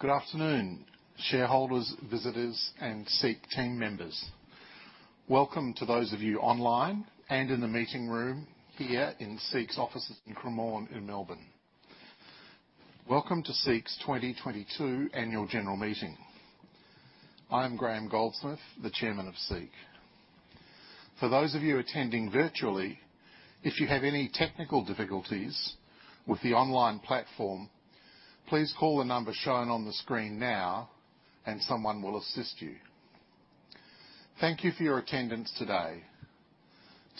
Good afternoon, shareholders, visitors, and SEEK team members. Welcome to those of you online and in the meeting room here in SEEK's offices in Cremorne in Melbourne. Welcome to SEEK's 2022 annual general meeting. I am Graham Goldsmith, the Chairman of SEEK. For those of you attending virtually, if you have any technical difficulties with the online platform, please call the number shown on the screen now, and someone will assist you. Thank you for your attendance today.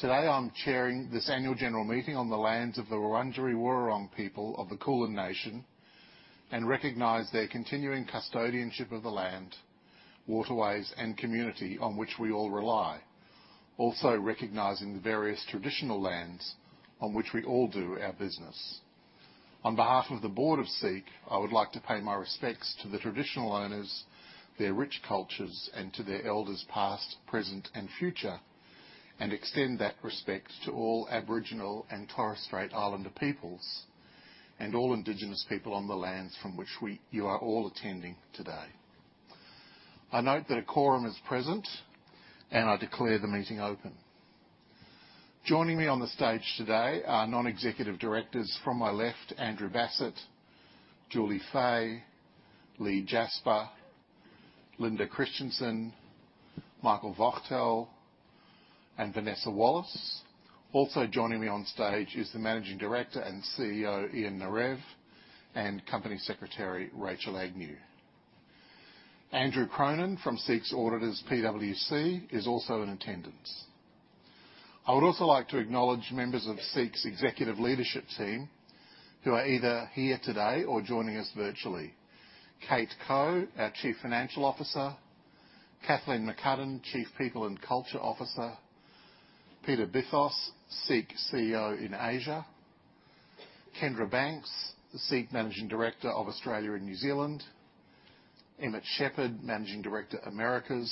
Today, I'm chairing this annual general meeting on the lands of the Wurundjeri Woi-wurrung people of the Kulin Nation and recognize their continuing custodianship of the land, waterways, and community on which we all rely. Also recognizing the various traditional lands on which we all do our business. On behalf of the Board of SEEK, I would like to pay my respects to the traditional owners, their rich cultures, and to their elders past, present, and future, and extend that respect to all Aboriginal and Torres Strait Islander peoples and all Indigenous people on the lands from which we and you are all attending today. I note that a quorum is present, and I declare the meeting open. Joining me on the stage today are Non-Executive Directors from my left, Andrew Bassat, Julie Fahey, Leigh Jasper, Linda Kristjanson, Michael Wachtel, and Vanessa Wallace. Also joining me on stage is the Managing Director and CEO, Ian Narev, and Company Secretary, Rachel Agnew. Andrew Cronin from SEEK's auditors, PwC, is also in attendance. I would also like to acknowledge members of SEEK's executive leadership team who are either here today or joining us virtually. Kate Koch, our Chief Financial Officer, Kathleen McCudden, Chief People and Culture Officer, Peter Bithos, SEEK CEO in Asia, Kendra Banks, the SEEK Managing Director of Australia and New Zealand, Emmett Sheppard, Managing Director, Americas,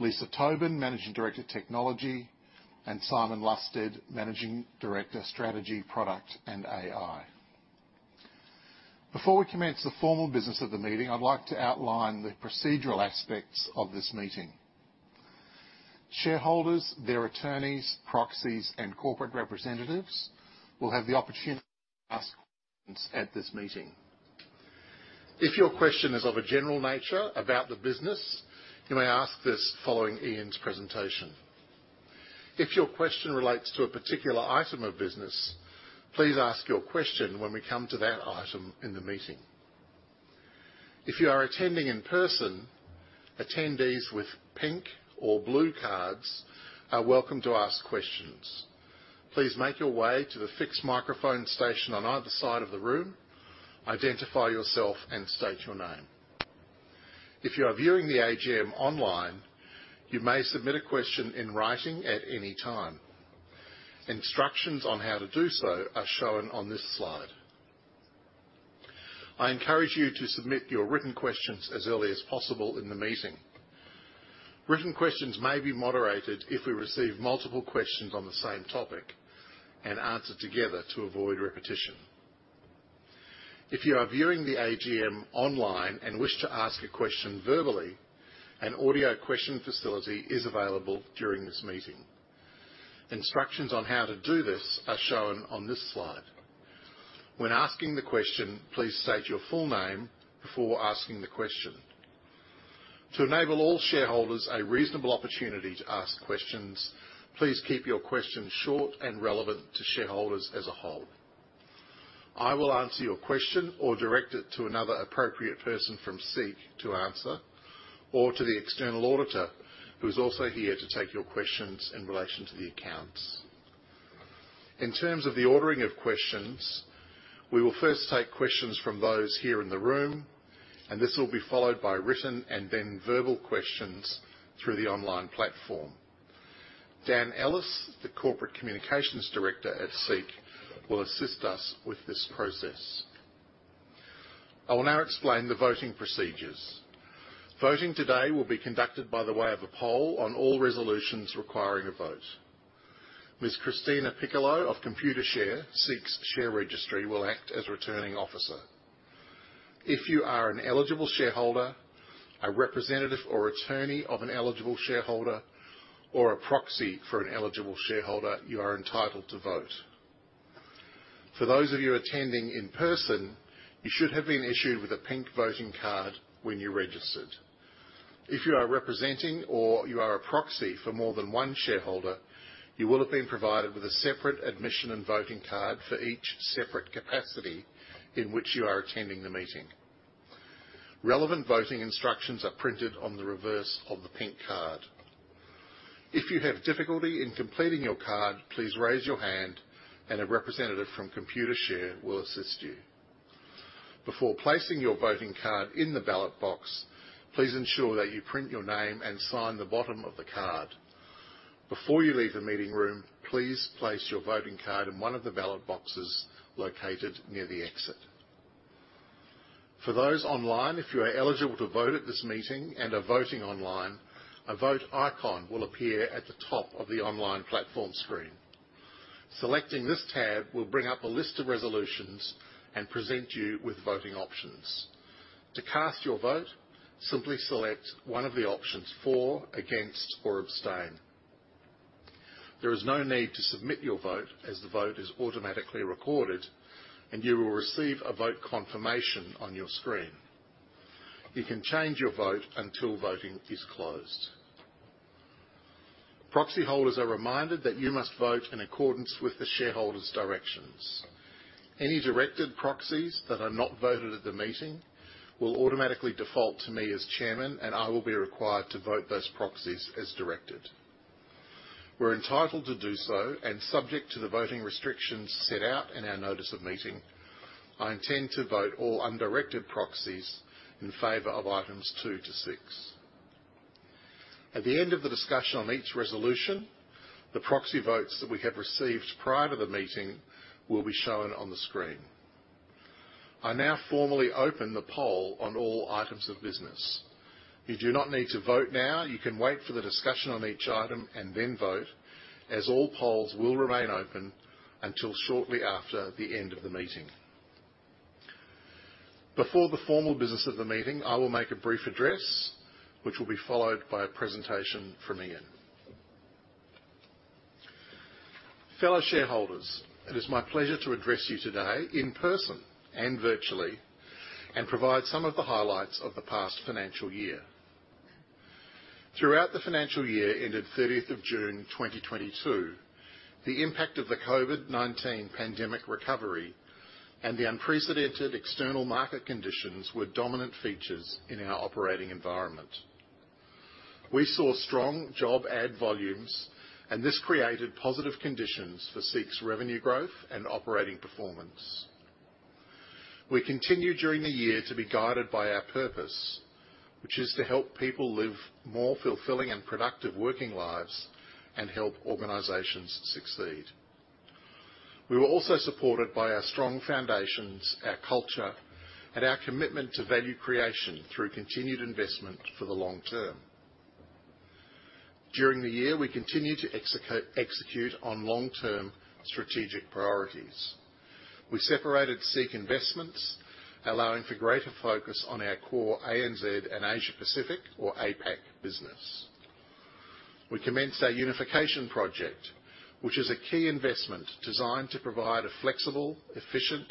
Lisa Tobin, Managing Director, Technology, and Simon Lusted, Managing Director, Strategy, Product and AI. Before we commence the formal business of the meeting, I'd like to outline the procedural aspects of this meeting. Shareholders, their attorneys, proxies, and corporate representatives will have the opportunity to ask questions at this meeting. If your question is of a general nature about the business, you may ask this following Ian's presentation. If your question relates to a particular item of business, please ask your question when we come to that item in the meeting. If you are attending in person, attendees with pink or blue cards are welcome to ask questions. Please make your way to the fixed microphone station on either side of the room, identify yourself, and state your name. If you are viewing the AGM online, you may submit a question in writing at any time. Instructions on how to do so are shown on this slide. I encourage you to submit your written questions as early as possible in the meeting. Written questions may be moderated if we receive multiple questions on the same topic and answered together to avoid repetition. If you are viewing the AGM online and wish to ask a question verbally, an audio question facility is available during this meeting. Instructions on how to do this are shown on this slide. When asking the question, please state your full name before asking the question. To enable all shareholders a reasonable opportunity to ask questions, please keep your questions short and relevant to shareholders as a whole. I will answer your question or direct it to another appropriate person from SEEK to answer, or to the external auditor who is also here to take your questions in relation to the accounts. In terms of the ordering of questions, we will first take questions from those here in the room, and this will be followed by written and then verbal questions through the online platform. Dan Ellis, the Corporate Communications Director at SEEK, will assist us with this process. I will now explain the voting procedures. Voting today will be conducted by way of a poll on all resolutions requiring a vote. Ms. Christina Piccolo of Computershare, SEEK's share registry, will act as Returning Officer. If you are an eligible shareholder, a representative or attorney of an eligible shareholder or a proxy for an eligible shareholder, you are entitled to vote. For those of you attending in person, you should have been issued with a pink voting card when you registered. If you are representing or you are a proxy for more than one shareholder, you will have been provided with a separate admission and voting card for each separate capacity in which you are attending the meeting. Relevant voting instructions are printed on the reverse of the pink card. If you have difficulty in completing your card, please raise your hand and a representative from Computershare will assist you. Before placing your voting card in the ballot box, please ensure that you print your name and sign the bottom of the card. Before you leave the meeting room, please place your voting card in one of the ballot boxes located near the exit. For those online, if you are eligible to vote at this meeting and are voting online, a vote icon will appear at the top of the online platform screen. Selecting this tab will bring up a list of resolutions and present you with voting options. To cast your vote, simply select one of the options, for, against, or abstain. There is no need to submit your vote as the vote is automatically recorded, and you will receive a vote confirmation on your screen. You can change your vote until voting is closed. Proxy holders are reminded that you must vote in accordance with the shareholder's directions. Any directed proxies that are not voted at the meeting will automatically default to me as chairman, and I will be required to vote those proxies as directed. We're entitled to do so, and subject to the voting restrictions set out in our notice of meeting. I intend to vote all undirected proxies in favor of items two to six. At the end of the discussion on each resolution, the proxy votes that we have received prior to the meeting will be shown on the screen. I now formally open the poll on all items of business. You do not need to vote now. You can wait for the discussion on each item and then vote, as all polls will remain open until shortly after the end of the meeting. Before the formal business of the meeting, I will make a brief address, which will be followed by a presentation from Ian. Fellow shareholders, it is my pleasure to address you today in person and virtually and provide some of the highlights of the past financial year. Throughout the financial year ended June 30th 2022, the impact of the COVID-19 pandemic recovery and the unprecedented external market conditions were dominant features in our operating environment. We saw strong job ad volumes, and this created positive conditions for SEEK's revenue growth and operating performance. We continued during the year to be guided by our purpose, which is to help people live more fulfilling and productive working lives and help organizations succeed. We were also supported by our strong foundations, our culture, and our commitment to value creation through continued investment for the long term. During the year, we continued to execute on long-term strategic priorities. We separated SEEK Investments, allowing for greater focus on our core ANZ and Asia Pacific, or APAC, business. We commenced our unification project, which is a key investment designed to provide a flexible, efficient,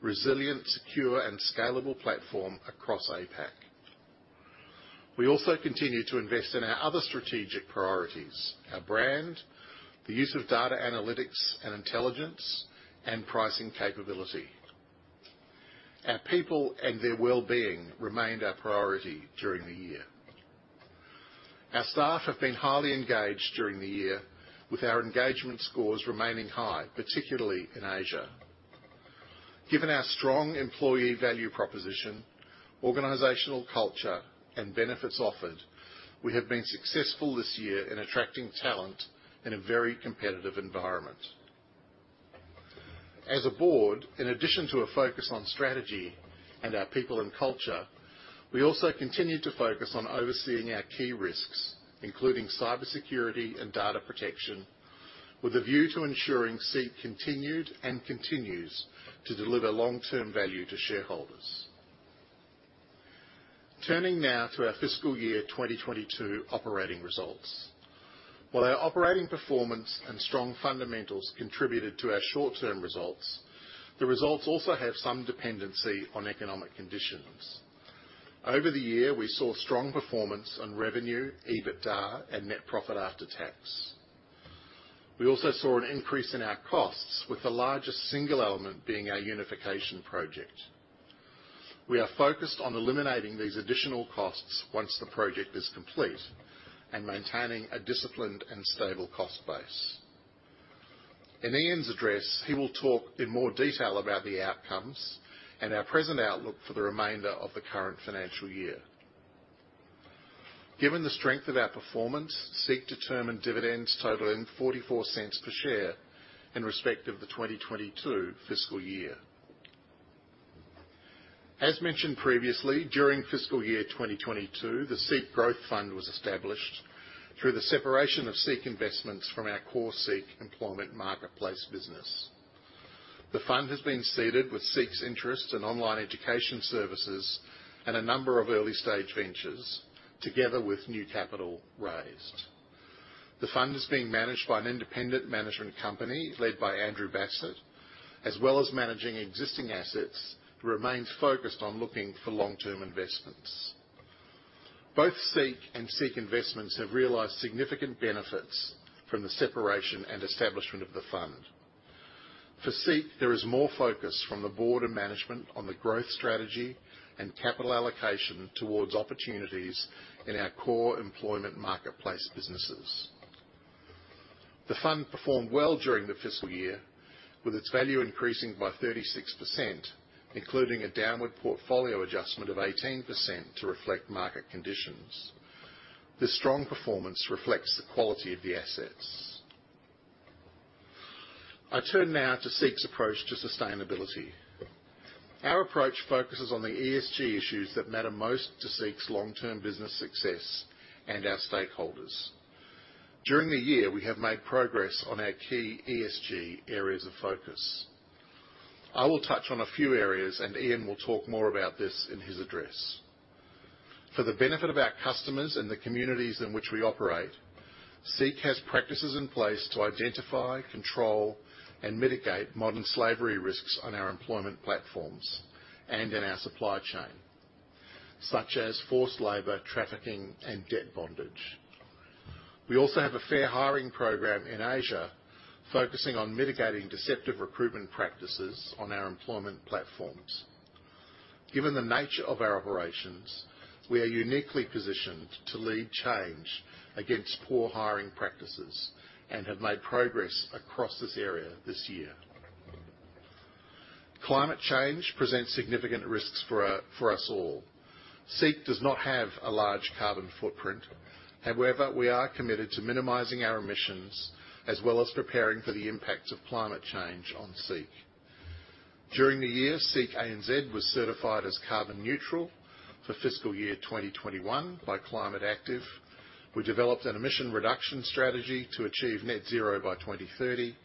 resilient, secure, and scalable platform across APAC. We also continued to invest in our other strategic priorities, our brand, the use of data analytics and intelligence, and pricing capability. Our people and their wellbeing remained our priority during the year. Our staff have been highly engaged during the year with our engagement scores remaining high, particularly in Asia. Given our strong employee value proposition, organizational culture, and benefits offered, we have been successful this year in attracting talent in a very competitive environment. As a board, in addition to a focus on strategy and our people and culture, we also continue to focus on overseeing our key risks, including cybersecurity and data protection, with a view to ensuring SEEK continued and continues to deliver long-term value to shareholders. Turning now to our fiscal year 2022 operating results. While our operating performance and strong fundamentals contributed to our short-term results, the results also have some dependency on economic conditions. Over the year, we saw strong performance on revenue, EBITDA, and net profit after tax. We also saw an increase in our costs, with the largest single element being our unification project. We are focused on eliminating these additional costs once the project is complete and maintaining a disciplined and stable cost base. In Ian Narev's address, he will talk in more detail about the outcomes and our present outlook for the remainder of the current financial year. Given the strength of our performance, SEEK determined dividends totaling 0.44 per share in respect of the 2022 fiscal year. As mentioned previously, during fiscal year 2022, the SEEK Growth Fund was established through the separation of SEEK Investments from our core SEEK employment marketplace business. The fund has been seeded with SEEK's interests in Online Education Services and a number of early-stage ventures together with new capital raised. The fund is being managed by an independent management company led by Andrew Bassat, as well as managing existing assets, remains focused on looking for long-term investments. Both SEEK and SEEK Investments have realized significant benefits from the separation and establishment of the fund. For SEEK, there is more focus from the board and management on the growth strategy and capital allocation towards opportunities in our core employment marketplace businesses. The fund performed well during the fiscal year, with its value increasing by 36%, including a downward portfolio adjustment of 18% to reflect market conditions. This strong performance reflects the quality of the assets. I turn now to SEEK's approach to sustainability. Our approach focuses on the ESG issues that matter most to SEEK's long-term business success and our stakeholders. During the year, we have made progress on our key ESG areas of focus. I will touch on a few areas, and Ian will talk more about this in his address. For the benefit of our customers and the communities in which we operate, SEEK has practices in place to identify, control, and mitigate modern slavery risks on our employment platforms and in our supply chain, such as forced labor, trafficking, and debt bondage. We also have a fair hiring program in Asia, focusing on mitigating deceptive recruitment practices on our employment platforms. Given the nature of our operations, we are uniquely positioned to lead change against poor hiring practices and have made progress across this area this year. Climate change presents significant risks for us all. SEEK does not have a large carbon footprint. However, we are committed to minimizing our emissions, as well as preparing for the impacts of climate change on SEEK. During the year, SEEK ANZ was certified as carbon neutral for fiscal year 2021 by Climate Active. We developed an emission reduction strategy to achieve net zero by 2030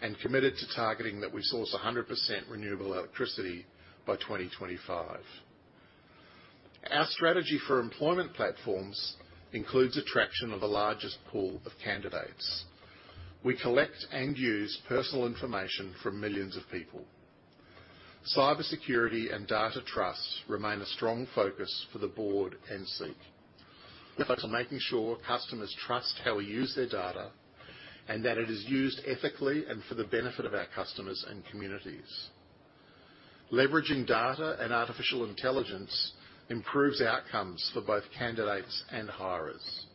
and committed to targeting that we source 100% renewable electricity by 2025. Our strategy for employment platforms includes attraction of the largest pool of candidates. We collect and use personal information from millions of people. Cybersecurity and data trust remain a strong focus for the board and SEEK. We're focused on making sure customers trust how we use their data and that it is used ethically and for the benefit of our customers and communities. Leveraging data and artificial intelligence improves outcomes for both candidates and hirers.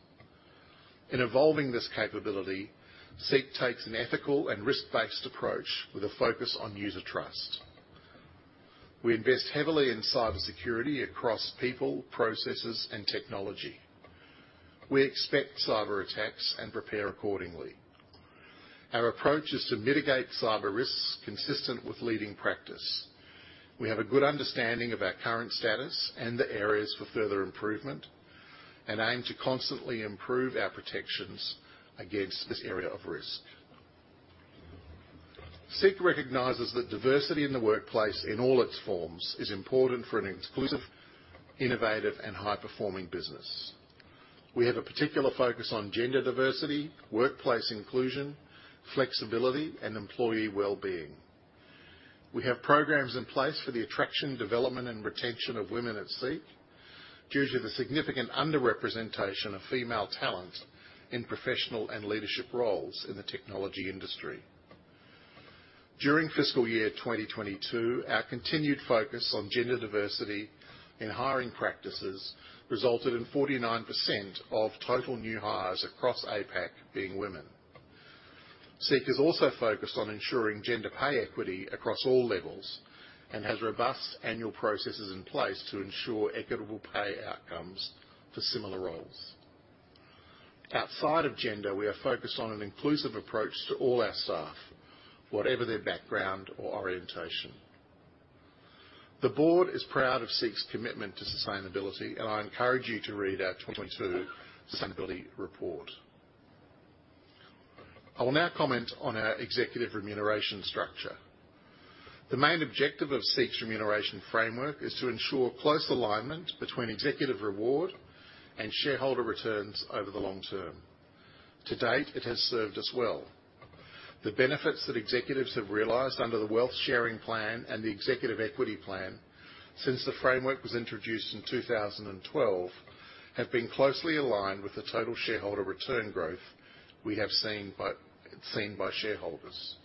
In evolving this capability, SEEK takes an ethical and risk-based approach with a focus on user trust. We invest heavily in cybersecurity across people, processes, and technology. We expect cyberattacks and prepare accordingly. Our approach is to mitigate cyber risks consistent with leading practice. We have a good understanding of our current status and the areas for further improvement and aim to constantly improve our protections against this area of risk. SEEK recognizes that diversity in the workplace in all its forms is important for an inclusive, innovative, and high-performing business. We have a particular focus on gender diversity, workplace inclusion, flexibility, and employee wellbeing. We have programs in place for the attraction, development, and retention of women at SEEK due to the significant underrepresentation of female talent in professional and leadership roles in the technology industry. During fiscal year 2022, our continued focus on gender diversity in hiring practices resulted in 49% of total new hires across APAC being women. SEEK is also focused on ensuring gender pay equity across all levels and has robust annual processes in place to ensure equitable pay outcomes for similar roles. Outside of gender, we are focused on an inclusive approach to all our staff, whatever their background or orientation. The board is proud of SEEK's commitment to sustainability, and I encourage you to read our 2022 sustainability report. I will now comment on our executive remuneration structure. The main objective of SEEK's remuneration framework is to ensure close alignment between executive reward and shareholder returns over the long term. To date, it has served us well. The benefits that executives have realized under the Wealth Sharing Plan and the Executive Equity Plan since the framework was introduced in 2012 have been closely aligned with the total shareholder return growth we have seen by shareholders.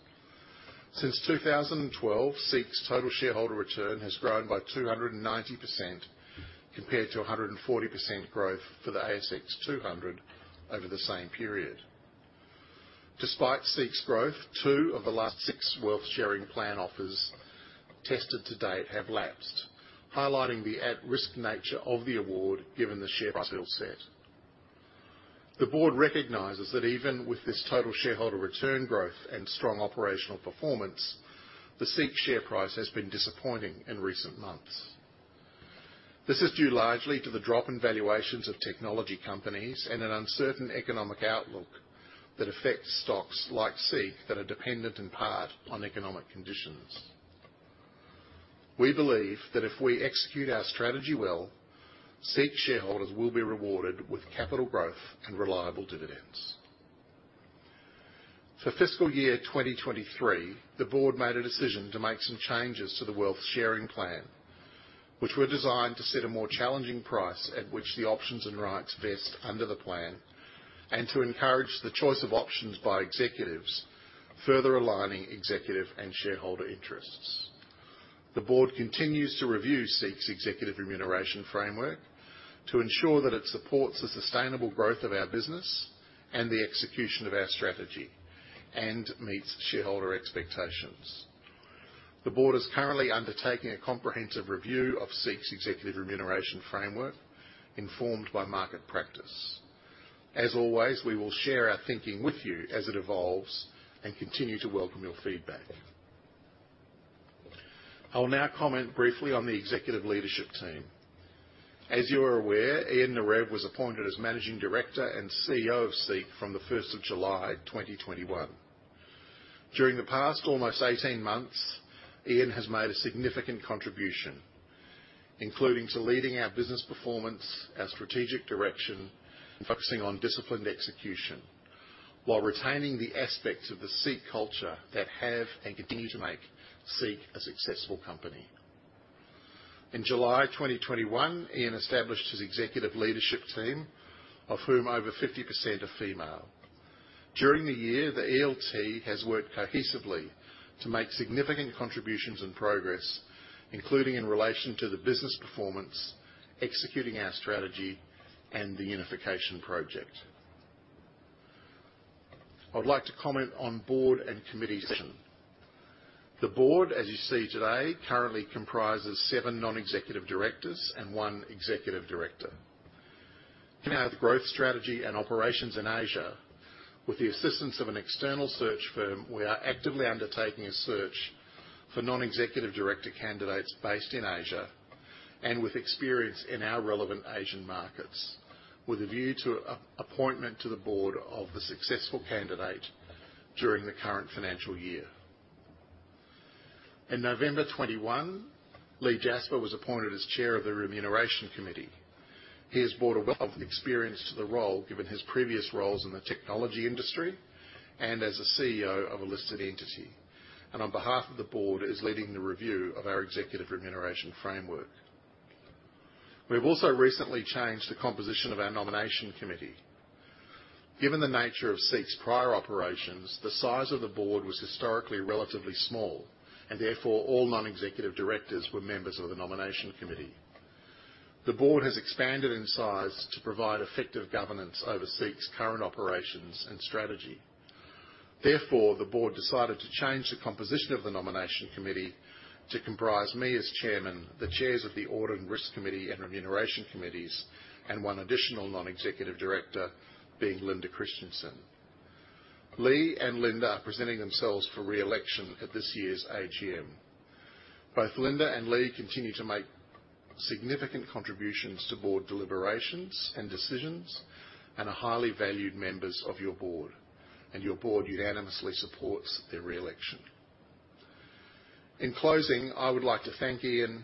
Since 2012, SEEK's total shareholder return has grown by 290% compared to 140% growth for the S&P/ASX 200 over the same period. Despite SEEK's growth, two of the last six Wealth Sharing Plan offers tested to date have lapsed, highlighting the at-risk nature of the award, given the share price outset. The board recognizes that even with this total shareholder return growth and strong operational performance, the SEEK share price has been disappointing in recent months. This is due largely to the drop in valuations of technology companies and an uncertain economic outlook that affects stocks like SEEK that are dependent in part on economic conditions. We believe that if we execute our strategy well, SEEK shareholders will be rewarded with capital growth and reliable dividends. For fiscal year 2023, the board made a decision to make some changes to the Wealth Sharing Plan, which were designed to set a more challenging price at which the options and rights vest under the plan and to encourage the choice of options by executives, further aligning executive and shareholder interests. The board continues to review SEEK's executive remuneration framework to ensure that it supports the sustainable growth of our business and the execution of our strategy and meets shareholder expectations. The board is currently undertaking a comprehensive review of SEEK's executive remuneration framework, informed by market practice. As always, we will share our thinking with you as it evolves and continue to welcome your feedback. I'll now comment briefly on the executive leadership team. As you are aware, Ian Narev was appointed as Managing Director and CEO of SEEK from July 2021. During the past almost 18 months, Ian has made a significant contribution, including to leading our business performance and strategic direction, and focusing on disciplined execution while retaining the aspects of the SEEK culture that have and continue to make SEEK a successful company. In July 2021, Ian established his executive leadership team, of whom over 50% are female. During the year, the ELT has worked cohesively to make significant contributions and progress, including in relation to the business performance, executing our strategy, and the unification project. I'd like to comment on board and committee decision. The board, as you see today, currently comprises seven non-executive directors and one executive director. In our growth strategy and operations in Asia, with the assistance of an external search firm, we are actively undertaking a search for non-executive director candidates based in Asia and with experience in our relevant Asian markets, with a view to appointment to the board of the successful candidate during the current financial year. In November 2021, Leigh Jasper was appointed as Chair of the Remuneration Committee. He has brought a wealth of experience to the role, given his previous roles in the technology industry and as a CEO of a listed entity. On behalf of the board, he is leading the review of our executive remuneration framework. We have also recently changed the composition of our nomination committee. Given the nature of SEEK's prior operations, the size of the board was historically relatively small, and therefore all non-executive directors were members of the nomination committee. The board has expanded in size to provide effective governance over SEEK's current operations and strategy. Therefore, the board decided to change the composition of the nomination committee to comprise me as chairman, the chairs of the audit and risk committee and remuneration committees, and one additional non-executive director being Linda Kristjanson. Leigh Jasper and Linda Kristjanson are presenting themselves for re-election at this year's AGM. Both Linda Kristjanson and Leigh Jasper continue to make significant contributions to board deliberations and decisions, and are highly valued members of your board, and your board unanimously supports their re-election. In closing, I would like to thank Ian Narev,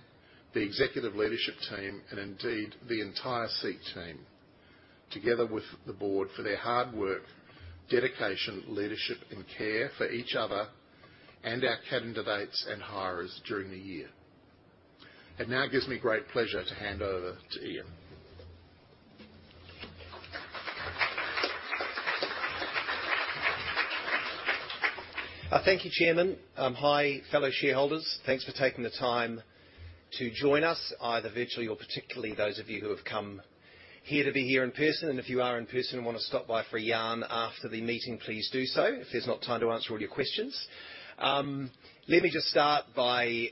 the executive leadership team, and indeed the entire SEEK team, together with the board for their hard work, dedication, leadership, and care for each other and our candidates and hirers during the year. It now gives me great pleasure to hand over to Ian Narev. Thank you, Chairman. Hi, fellow shareholders. Thanks for taking the time to join us, either virtually or particularly those of you who have come here to be here in person. If you are in person and wanna stop by for a yarn after the meeting, please do so if there's not time to answer all your questions. Let me just start by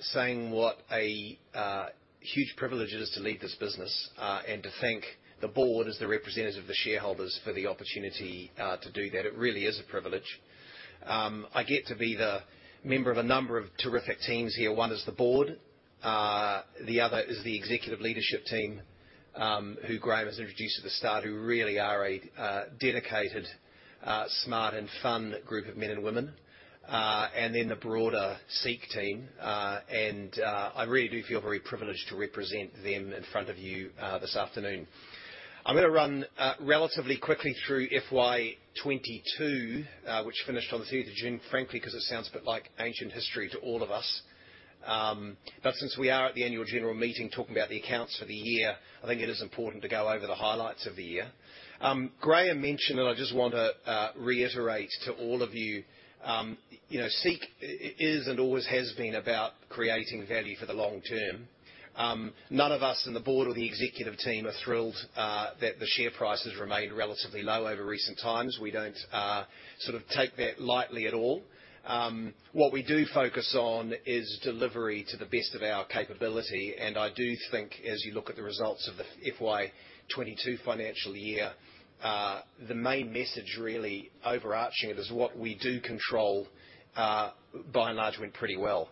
saying what a huge privilege it is to lead this business, and to thank the board as the representative of the shareholders for the opportunity to do that. It really is a privilege. I get to be the member of a number of terrific teams here. One is the board. The other is the executive leadership team, who Graham has introduced at the start, who really are a dedicated, smart and fun group of men and women, and then the broader SEEK team. I really do feel very privileged to represent them in front of you this afternoon. I'm gonna run relatively quickly through FY 2022, which finished on the third of June, frankly, 'cause it sounds a bit like ancient history to all of us. Since we are at the annual general meeting talking about the accounts for the year, I think it is important to go over the highlights of the year. Graham mentioned, and I just want to reiterate to all of you know, SEEK is and always has been about creating value for the long term. None of us in the board or the executive team are thrilled that the share price has remained relatively low over recent times. We don't sort of take that lightly at all. What we do focus on is delivery to the best of our capability, and I do think as you look at the results of the FY 2022 financial year, the main message really overarching it is what we do control, by and large, went pretty well.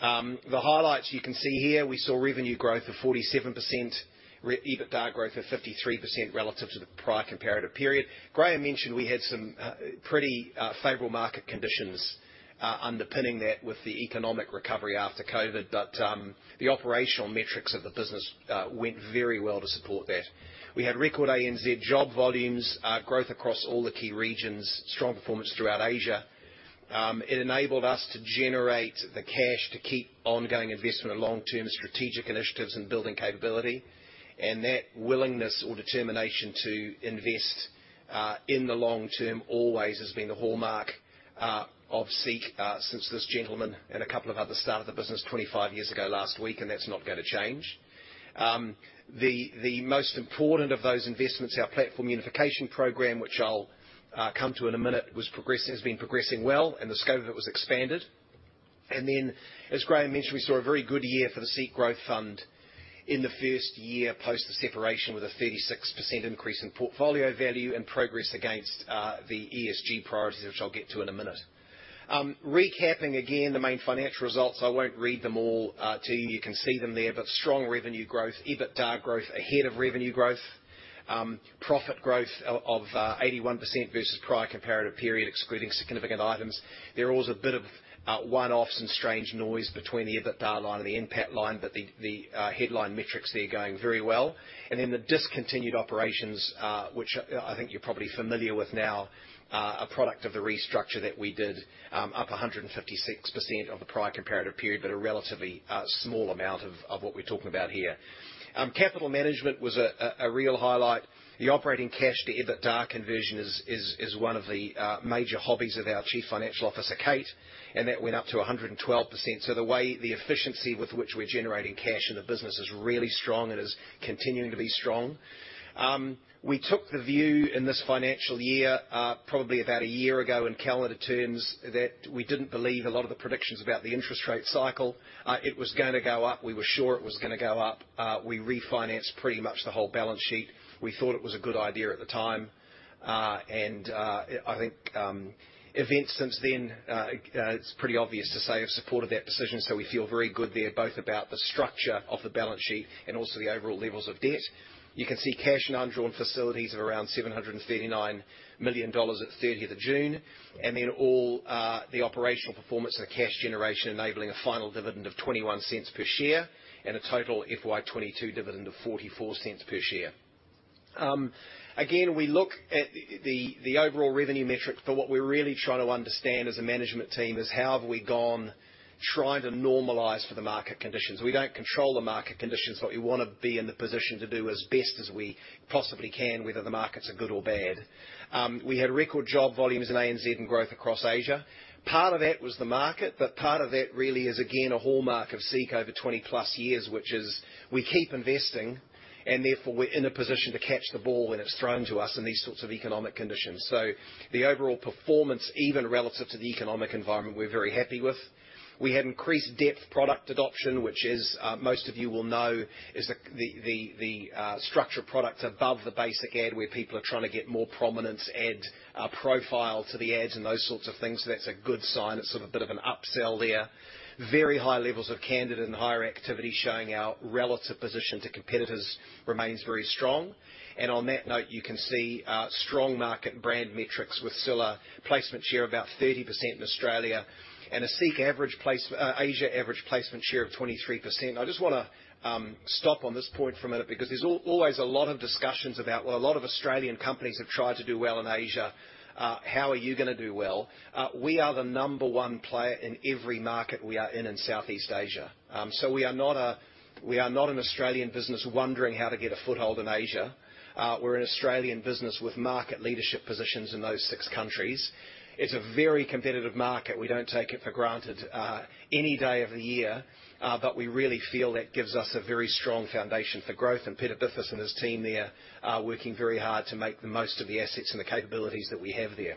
The highlights you can see here, we saw revenue growth of 47%, EBITDA growth of 53% relative to the prior comparative period. Graham mentioned we had some pretty favorable market conditions underpinning that with the economic recovery after COVID, but the operational metrics of the business went very well to support that. We had record ANZ job volumes, growth across all the key regions, strong performance throughout Asia. It enabled us to generate the cash to keep ongoing investment in long-term strategic initiatives and building capability. That willingness or determination to invest in the long term always has been the hallmark of SEEK since this gentleman and a couple of others started the business 25 years ago last week, and that's not gonna change. The most important of those investments, our platform unification program, which I'll come to in a minute, was progressing, has been progressing well, and the scope of it was expanded. As Graham mentioned, we saw a very good year for the SEEK Growth Fund in the first year post the separation, with a 36% increase in portfolio value and progress against the ESG priorities, which I'll get to in a minute. Recapping again, the main financial results, I won't read them all to you. You can see them there. Strong revenue growth, EBITDA growth ahead of revenue growth, profit growth of 81% versus prior comparative period, excluding significant items. There was a bit of one-offs and strange noise between the EBITDA line and the NPAT line, but the headline metrics there are going very well. Then the discontinued operations, which I think you're probably familiar with now, a product of the restructure that we did, up 156% of the prior comparative period, but a relatively small amount of what we're talking about here. Capital management was a real highlight. The operating cash to EBITDA conversion is one of the major hobbies of our Chief Financial Officer, Kate, and that went up to 112%. The way the efficiency with which we're generating cash in the business is really strong and is continuing to be strong. We took the view in this financial year, probably about a year ago in calendar terms, that we didn't believe a lot of the predictions about the interest rate cycle. It was gonna go up. We were sure it was gonna go up. We refinanced pretty much the whole balance sheet. We thought it was a good idea at the time. I think events since then, it's pretty obvious to say, have supported that decision, so we feel very good there, both about the structure of the balance sheet and also the overall levels of debt. You can see cash and undrawn facilities of around 739 million dollars at the 30th of June, and then all the operational performance and cash generation enabling a final dividend of 0.21 per share and a total FY 2022 dividend of 0.44 per share. Again, we look at the overall revenue metric, but what we're really trying to understand as a management team is how have we gone trying to normalize for the market conditions. We don't control the market conditions, but we wanna be in the position to do as best as we possibly can, whether the markets are good or bad. We had record job volumes in ANZ and growth across Asia. Part of that was the market, but part of that really is, again, a hallmark of SEEK over 20-plus years, which is we keep investing, and therefore we're in a position to catch the ball when it's thrown to us in these sorts of economic conditions. The overall performance, even relative to the economic environment, we're very happy with. We had increased depth product adoption, which, as most of you will know, is the structure of products above the basic ad where people are trying to get more prominent ad profile to the ads and those sorts of things. That's a good sign. It's sort of a bit of an upsell there. Very high levels of candidate and hirer activity showing our relative position to competitors remains very strong. On that note, you can see strong market brand metrics with SEEK placement share of about 30% in Australia and a SEEK average Asia average placement share of 23%. I just wanna stop on this point for a minute because there's always a lot of discussions about, "Well, a lot of Australian companies have tried to do well in Asia, how are you gonna do well?" We are the number one player in every market we are in in Southeast Asia. We are not an Australian business wondering how to get a foothold in Asia. We're an Australian business with market leadership positions in those six countries. It's a very competitive market. We don't take it for granted any day of the year, but we really feel that gives us a very strong foundation for growth. Peter Bithos and his team there are working very hard to make the most of the assets and the capabilities that we have there.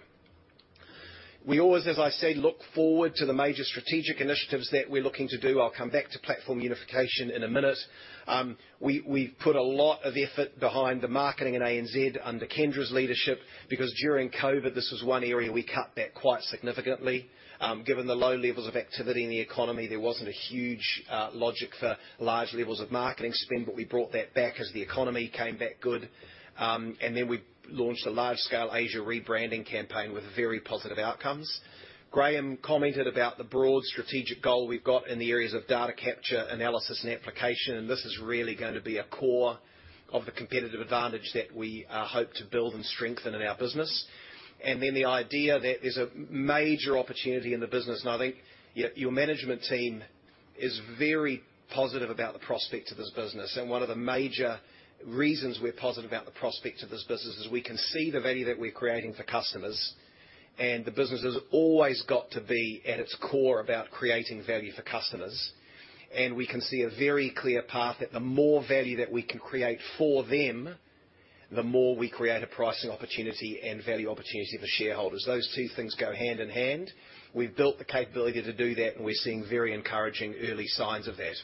We always, as I say, look forward to the major strategic initiatives that we're looking to do. I'll come back to platform unification in a minute. We've put a lot of effort behind the marketing in ANZ under Kendra's leadership, because during COVID, this was one area we cut back quite significantly. Given the low levels of activity in the economy, there wasn't a huge logic for large levels of marketing spend, but we brought that back as the economy came back good. We launched a large-scale Asia rebranding campaign with very positive outcomes. Graham commented about the broad strategic goal we've got in the areas of data capture, analysis, and application, and this is really gonna be a core of the competitive advantage that we hope to build and strengthen in our business. One of the major reasons we're positive about the prospects of this business is we can see the value that we're creating for customers, and the business has always got to be, at its core, about creating value for customers. We can see a very clear path that the more value that we can create for them, the more we create a pricing opportunity and value opportunity for shareholders. Those two things go hand in hand. We've built the capability to do that, and we're seeing very encouraging early signs of that.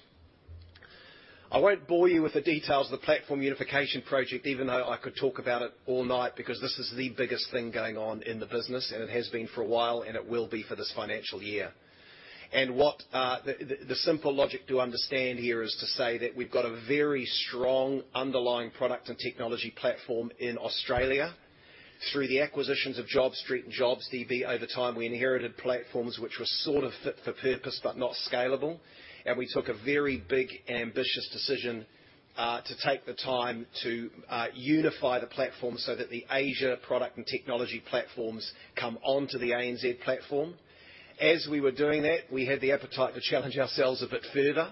I won't bore you with the details of the platform unification project, even though I could talk about it all night, because this is the biggest thing going on in the business, and it has been for a while, and it will be for this financial year. What the simple logic to understand here is to say that we've got a very strong underlying product and technology platform in Australia. Through the acquisitions of JobStreet and JobsDB over time, we inherited platforms which were sort of fit for purpose but not scalable, and we took a very big, ambitious decision to take the time to unify the platform so that the Asia product and technology platforms come onto the ANZ platform. As we were doing that, we had the appetite to challenge ourselves a bit further.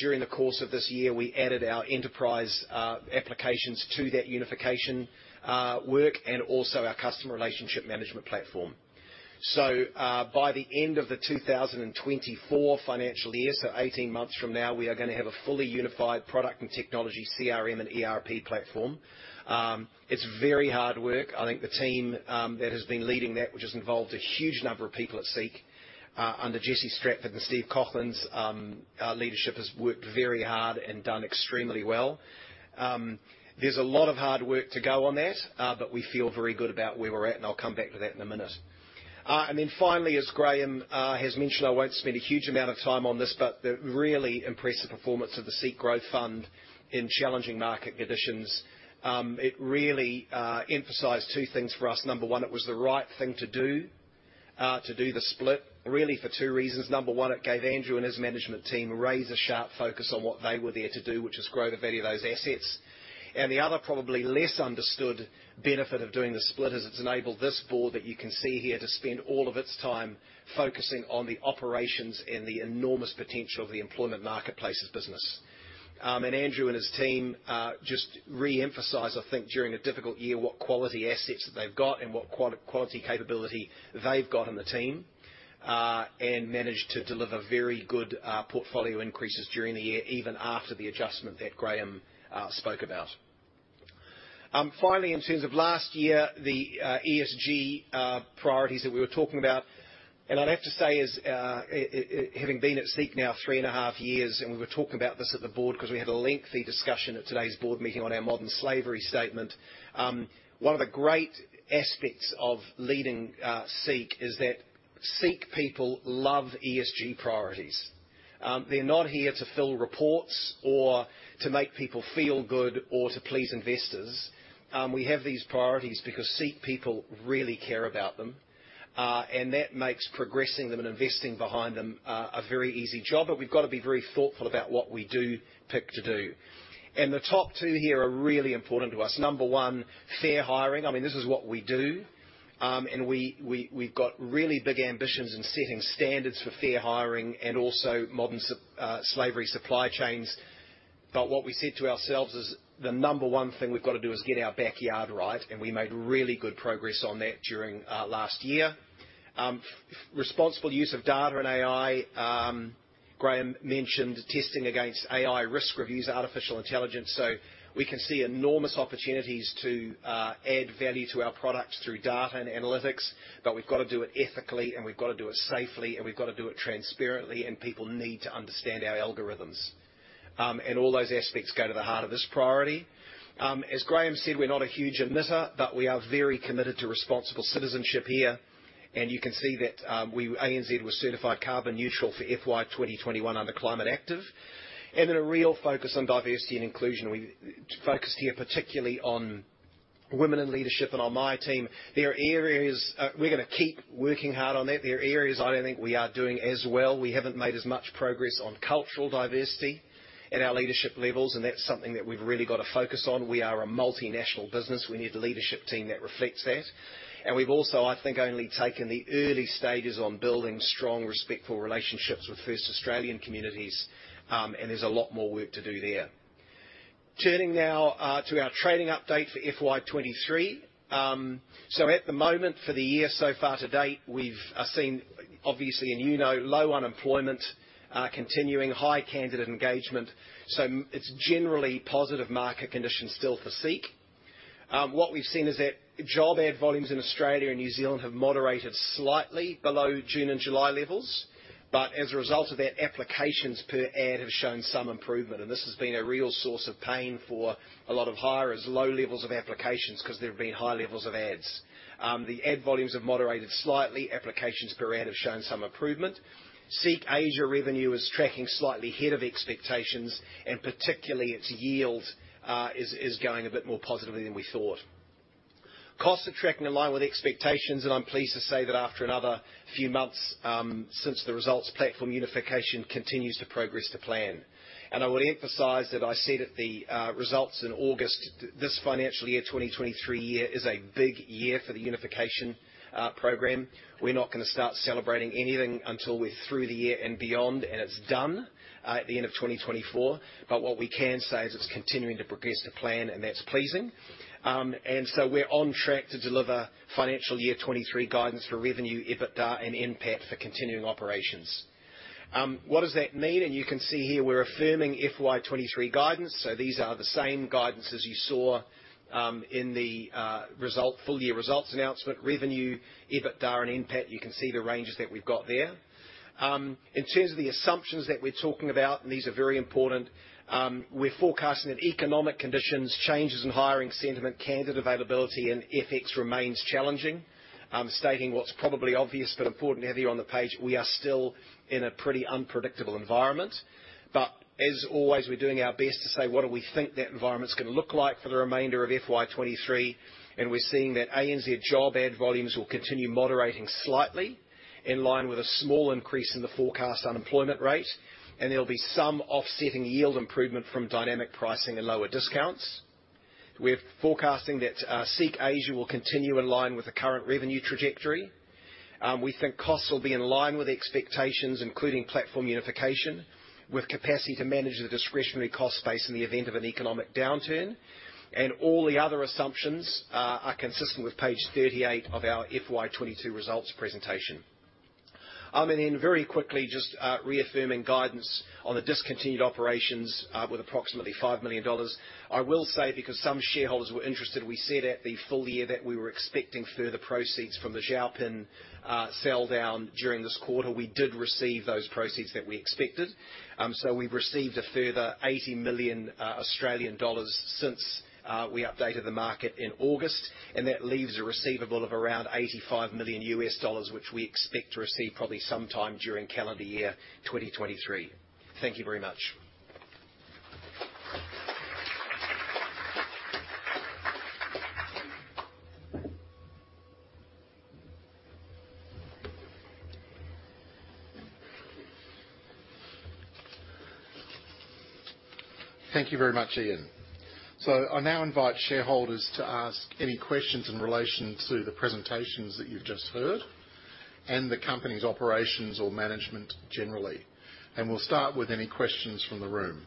During the course of this year, we added our enterprise applications to that unification work and also our customer relationship management platform. By the end of the 2024 financial year, so 18 months from now, we are gonna have a fully unified product and technology CRM and ERP platform. It's very hard work. I think the team that has been leading that, which has involved a huge number of people at SEEK, under Jesse Stratford and Steve Coughlan's leadership, has worked very hard and done extremely well. There's a lot of hard work to go on that, but we feel very good about where we're at, and I'll come back to that in a minute. Finally, as Graham has mentioned, I won't spend a huge amount of time on this, but the really impressive performance of the SEEK Growth Fund in challenging market conditions, it really emphasized two things for us. Number one, it was the right thing to do, to do the split really for two reasons. Number one, it gave Andrew and his management team razor-sharp focus on what they were there to do, which is grow the value of those assets. The other probably less understood benefit of doing the split is it's enabled this board that you can see here to spend all of its time focusing on the operations and the enormous potential of the employment marketplace's business. Andrew and his team just reemphasize, I think during a difficult year, what quality assets that they've got and what quality capability they've got on the team. Managed to deliver very good portfolio increases during the year, even after the adjustment that Graham spoke about. Finally, in terms of last year, the ESG priorities that we were talking about, and I'd have to say, having been at SEEK now three and a half years, and we were talking about this at the board 'cause we had a lengthy discussion at today's board meeting on our modern slavery statement. One of the great aspects of leading SEEK is that SEEK people love ESG priorities. They're not here to file reports or to make people feel good or to please investors. We have these priorities because SEEK people really care about them. That makes progressing them and investing behind them a very easy job. We've gotta be very thoughtful about what we do pick to do. The top two here are really important to us. Number one, fair hiring. I mean, this is what we do. We have got really big ambitions in setting standards for fair hiring and also modern slavery supply chains. What we said to ourselves is the number one thing we've gotta do is get our backyard right, and we made really good progress on that during last year. Responsible use of data and AI. Graham mentioned testing against AI risk reviews, artificial intelligence. We can see enormous opportunities to add value to our products through data and analytics, but we've gotta do it ethically, and we've gotta do it safely, and we've gotta do it transparently, and people need to understand our algorithms. All those aspects go to the heart of this priority. As Graham said, we're not a huge emitter, but we are very committed to responsible citizenship here. You can see that ANZ was certified carbon neutral for FY 2021 under Climate Active. A real focus on diversity and inclusion. We've focused here particularly on women in leadership and on my team. There are areas we're gonna keep working hard on that. There are areas I don't think we are doing as well. We haven't made as much progress on cultural diversity at our leadership levels, and that's something that we've really gotta focus on. We are a multinational business. We need a leadership team that reflects that. We've also, I think, only taken the early stages on building strong, respectful relationships with First Australian communities, and there's a lot more work to do there. Turning now to our trading update for FY 2023. At the moment for the year so far to date, we've seen obviously, and you know, low unemployment, continuing high candidate engagement. It's generally positive market conditions still for SEEK. What we've seen is that job ad volumes in Australia and New Zealand have moderated slightly below June and July levels, but as a result of that, applications per ad have shown some improvement. This has been a real source of pain for a lot of hirers, low levels of applications 'cause there have been high levels of ads. The ad volumes have moderated slightly. Applications per ad have shown some improvement. SEEK Asia revenue is tracking slightly ahead of expectations, and particularly its yield is going a bit more positively than we thought. Costs are tracking in line with expectations, and I'm pleased to say that after another few months since the results platform unification continues to progress to plan. I would emphasize that I said at the results in August, this financial year, 2023, is a big year for the unification program. We're not gonna start celebrating anything until we're through the year and beyond, and it's done at the end of 2024. What we can say is it's continuing to progress to plan, and that's pleasing. We're on track to deliver financial year 2023 guidance for revenue, EBITDA and NPAT for continuing operations. What does that mean? You can see here we're affirming FY 2023 guidance, so these are the same guidances you saw in the full year results announcement, revenue, EBITDA and NPAT. You can see the ranges that we've got there. In terms of the assumptions that we're talking about, and these are very important, we're forecasting that economic conditions, changes in hiring sentiment, candidate availability, and FX remains challenging. I'm stating what's probably obvious but important to have you on the page. We are still in a pretty unpredictable environment, but as always, we're doing our best to say what do we think that environment's gonna look like for the remainder of FY 2023, and we're seeing that ANZ job ad volumes will continue moderating slightly in line with a small increase in the forecast unemployment rate. There'll be some offsetting yield improvement from dynamic pricing and lower discounts. We're forecasting that SEEK Asia will continue in line with the current revenue trajectory. We think costs will be in line with expectations, including platform unification, with capacity to manage the discretionary cost base in the event of an economic downturn. All the other assumptions are consistent with page 38 of our FY 2022 results presentation. Then very quickly, just reaffirming guidance on the discontinued operations with approximately 5 million dollars. I will say, because some shareholders were interested, we said at the full year that we were expecting further proceeds from the Zhaopin sell down during this quarter. We did receive those proceeds that we expected. We've received a further 80 million Australian dollars since we updated the market in August, and that leaves a receivable of around $85 million, which we expect to receive probably sometime during calendar year 2023. Thank you very much. Thank you very much, Ian. I now invite shareholders to ask any questions in relation to the presentations that you've just heard and the company's operations or management generally. We'll start with any questions from the room.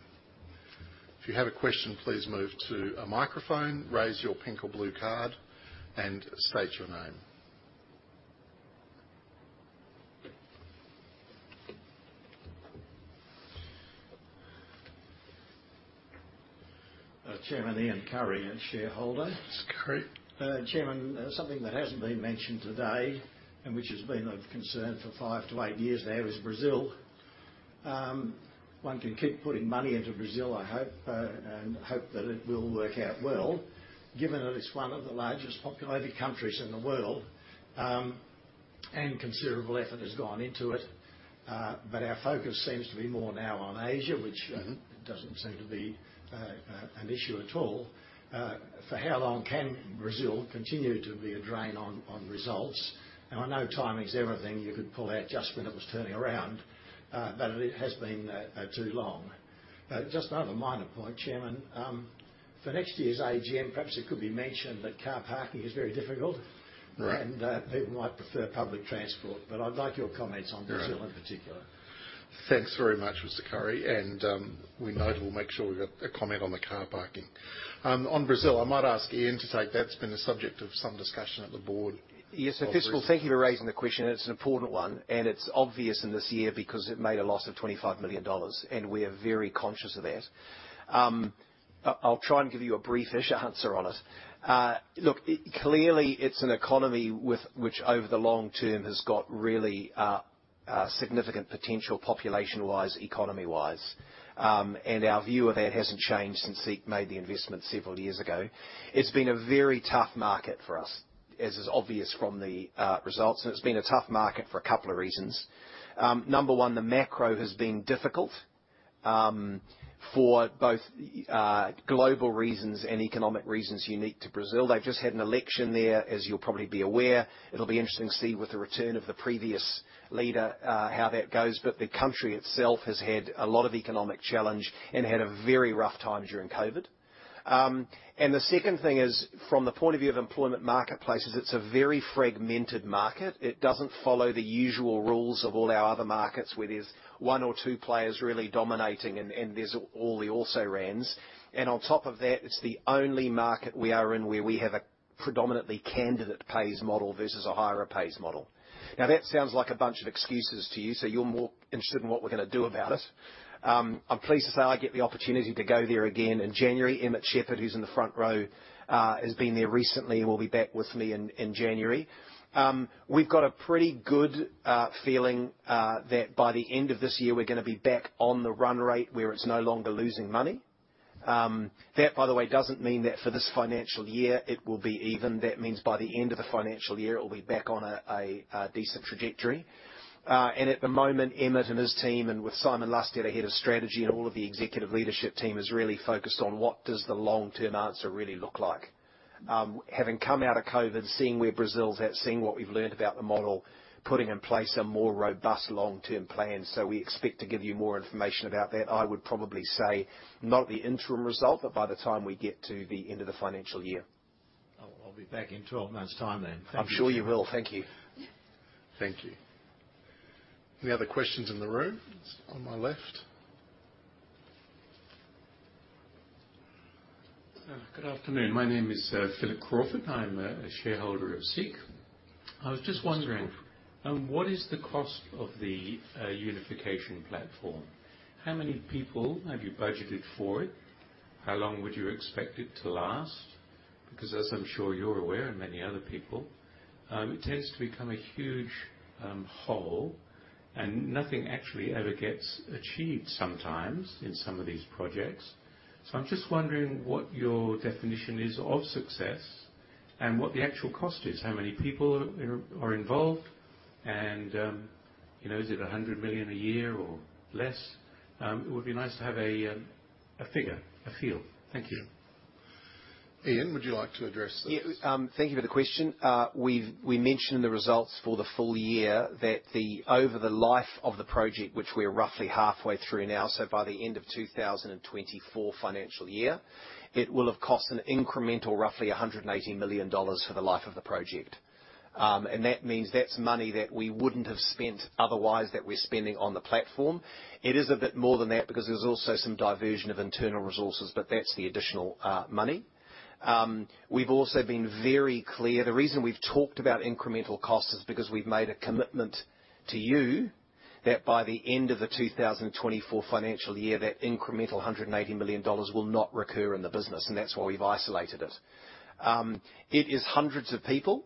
If you have a question, please move to a microphone, raise your pink or blue card and state your name. Chairman, Ian, Carey, Shareholder. Mr. Carey. Chairman, something that hasn't been mentioned today, and which has been of concern for five to eight years now, is Brazil. One can keep putting money into Brazil, I hope, and hope that it will work out well, given that it's one of the largest populated countries in the world, and considerable effort has gone into it. Our focus seems to be more now on Asia. Mm-hmm. Which doesn't seem to be an issue at all. For how long can Brazil continue to be a drain on results? I know timing is everything. You could pull out just when it was turning around, but it has been too long. Just another minor point, Chairman. For next year's AGM, perhaps it could be mentioned that car parking is very difficult. Right. People might prefer public transport. I'd like your comments on Brazil- Right. In particular. Thanks very much, Mr. Carey. We note and will make sure we get a comment on the car parking. On Brazil, I might ask Ian Narev to take that. It's been a subject of some discussion at the board. Yes. First of all, thank you for raising the question. It's an important one, and it's obvious in this year because it made a loss of 25 million dollars, and we are very conscious of that. I'll try and give you a brief-ish answer on it. Look, clearly it's an economy with which over the long term has got really significant potential population-wise, economy-wise. Our view of that hasn't changed since SEEK made the investment several years ago. It's been a very tough market for us, as is obvious from the results. It's been a tough market for a couple of reasons. Number one, the macro has been difficult for both global reasons and economic reasons unique to Brazil. They've just had an election there, as you'll probably be aware. It'll be interesting to see with the return of the previous leader, how that goes. The country itself has had a lot of economic challenge and had a very rough time during COVID. The second thing is, from the point of view of employment marketplaces, it's a very fragmented market. It doesn't follow the usual rules of all our other markets, where there's one or two players really dominating and there's all the also-rans. On top of that, it's the only market we are in where we have a predominantly candidate pays model versus a hirer pays model. Now, that sounds like a bunch of excuses to you, so you're more interested in what we're gonna do about it. I'm pleased to say I get the opportunity to go there again in January. Emmett Sheppard, who's in the front row, has been there recently and will be back with me in January. We've got a pretty good feeling that by the end of this year, we're gonna be back on the run rate where it's no longer losing money. That, by the way, doesn't mean that for this financial year, it will be even. That means by the end of the financial year, it will be back on a decent trajectory. At the moment, Emmett and his team and with Simon Lusted, our head of strategy, and all of the executive leadership team is really focused on what does the long-term answer really look like. Having come out of COVID, seeing where Brazil's at, seeing what we've learned about the model, putting in place a more robust long-term plan. We expect to give you more information about that, I would probably say not at the interim result, but by the time we get to the end of the financial year. I'll be back in 12 months' time then. Thank you. I'm sure you will. Thank you. Thank you. Any other questions in the room? On my left. Good afternoon. My name is Philip Crawford. I'm a shareholder of SEEK. I was just wondering. Mr. Crawford. What is the cost of the unification platform? How many people have you budgeted for it? How long would you expect it to last? Because as I'm sure you're aware, and many other people, it tends to become a huge hole and nothing actually ever gets achieved sometimes in some of these projects. I'm just wondering what your definition is of success and what the actual cost is, how many people are involved, and you know, is it 100 million a year or less? It would be nice to have a figure, a feel. Thank you. Ian, would you like to address this? Yeah. Thank you for the question. We mentioned the results for the full year, over the life of the project, which we're roughly halfway through now, so by the end of 2024 financial year, it will have cost an incremental roughly 180 million dollars for the life of the project. That means that's money that we wouldn't have spent otherwise that we're spending on the platform. It is a bit more than that because there's also some diversion of internal resources, but that's the additional money. We've also been very clear, the reason we've talked about incremental cost is because we've made a commitment to you that by the end of the 2024 financial year, that incremental 180 million dollars will not recur in the business, and that's why we've isolated it. It is hundreds of people,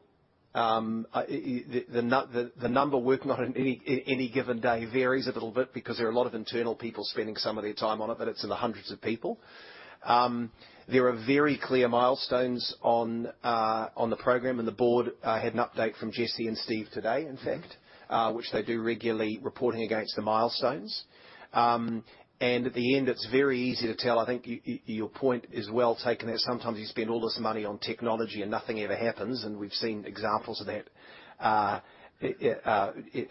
the number working on any given day varies a little bit because there are a lot of internal people spending some of their time on it, but it's in the hundreds of people. There are very clear milestones on the program, and the board had an update from Jesse and Steve today, in fact, which they do regularly, reporting against the milestones. At the end, it's very easy to tell. I think your point is well taken that sometimes you spend all this money on technology and nothing ever happens, and we've seen examples of that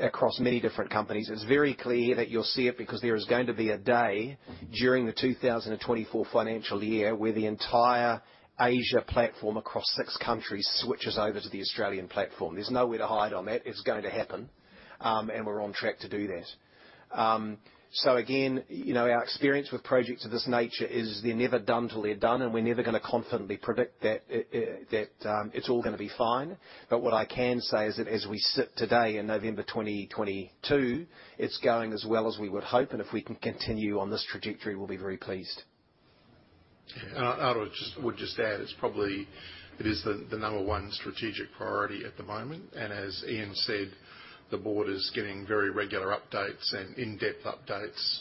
across many different companies. It's very clear that you'll see it because there is going to be a day during the 2024 financial year where the entire Asia platform across six countries switches over to the Australian platform. There's nowhere to hide on that. It's going to happen. We're on track to do that. Again, you know, our experience with projects of this nature is they're never done till they're done, and we're never gonna confidently predict that it's all gonna be fine. What I can say is that as we sit today in November 2022, it's going as well as we would hope. If we can continue on this trajectory, we'll be very pleased. I would just add it's probably. It is the number one strategic priority at the moment. As Ian said, the board is getting very regular updates and in-depth updates.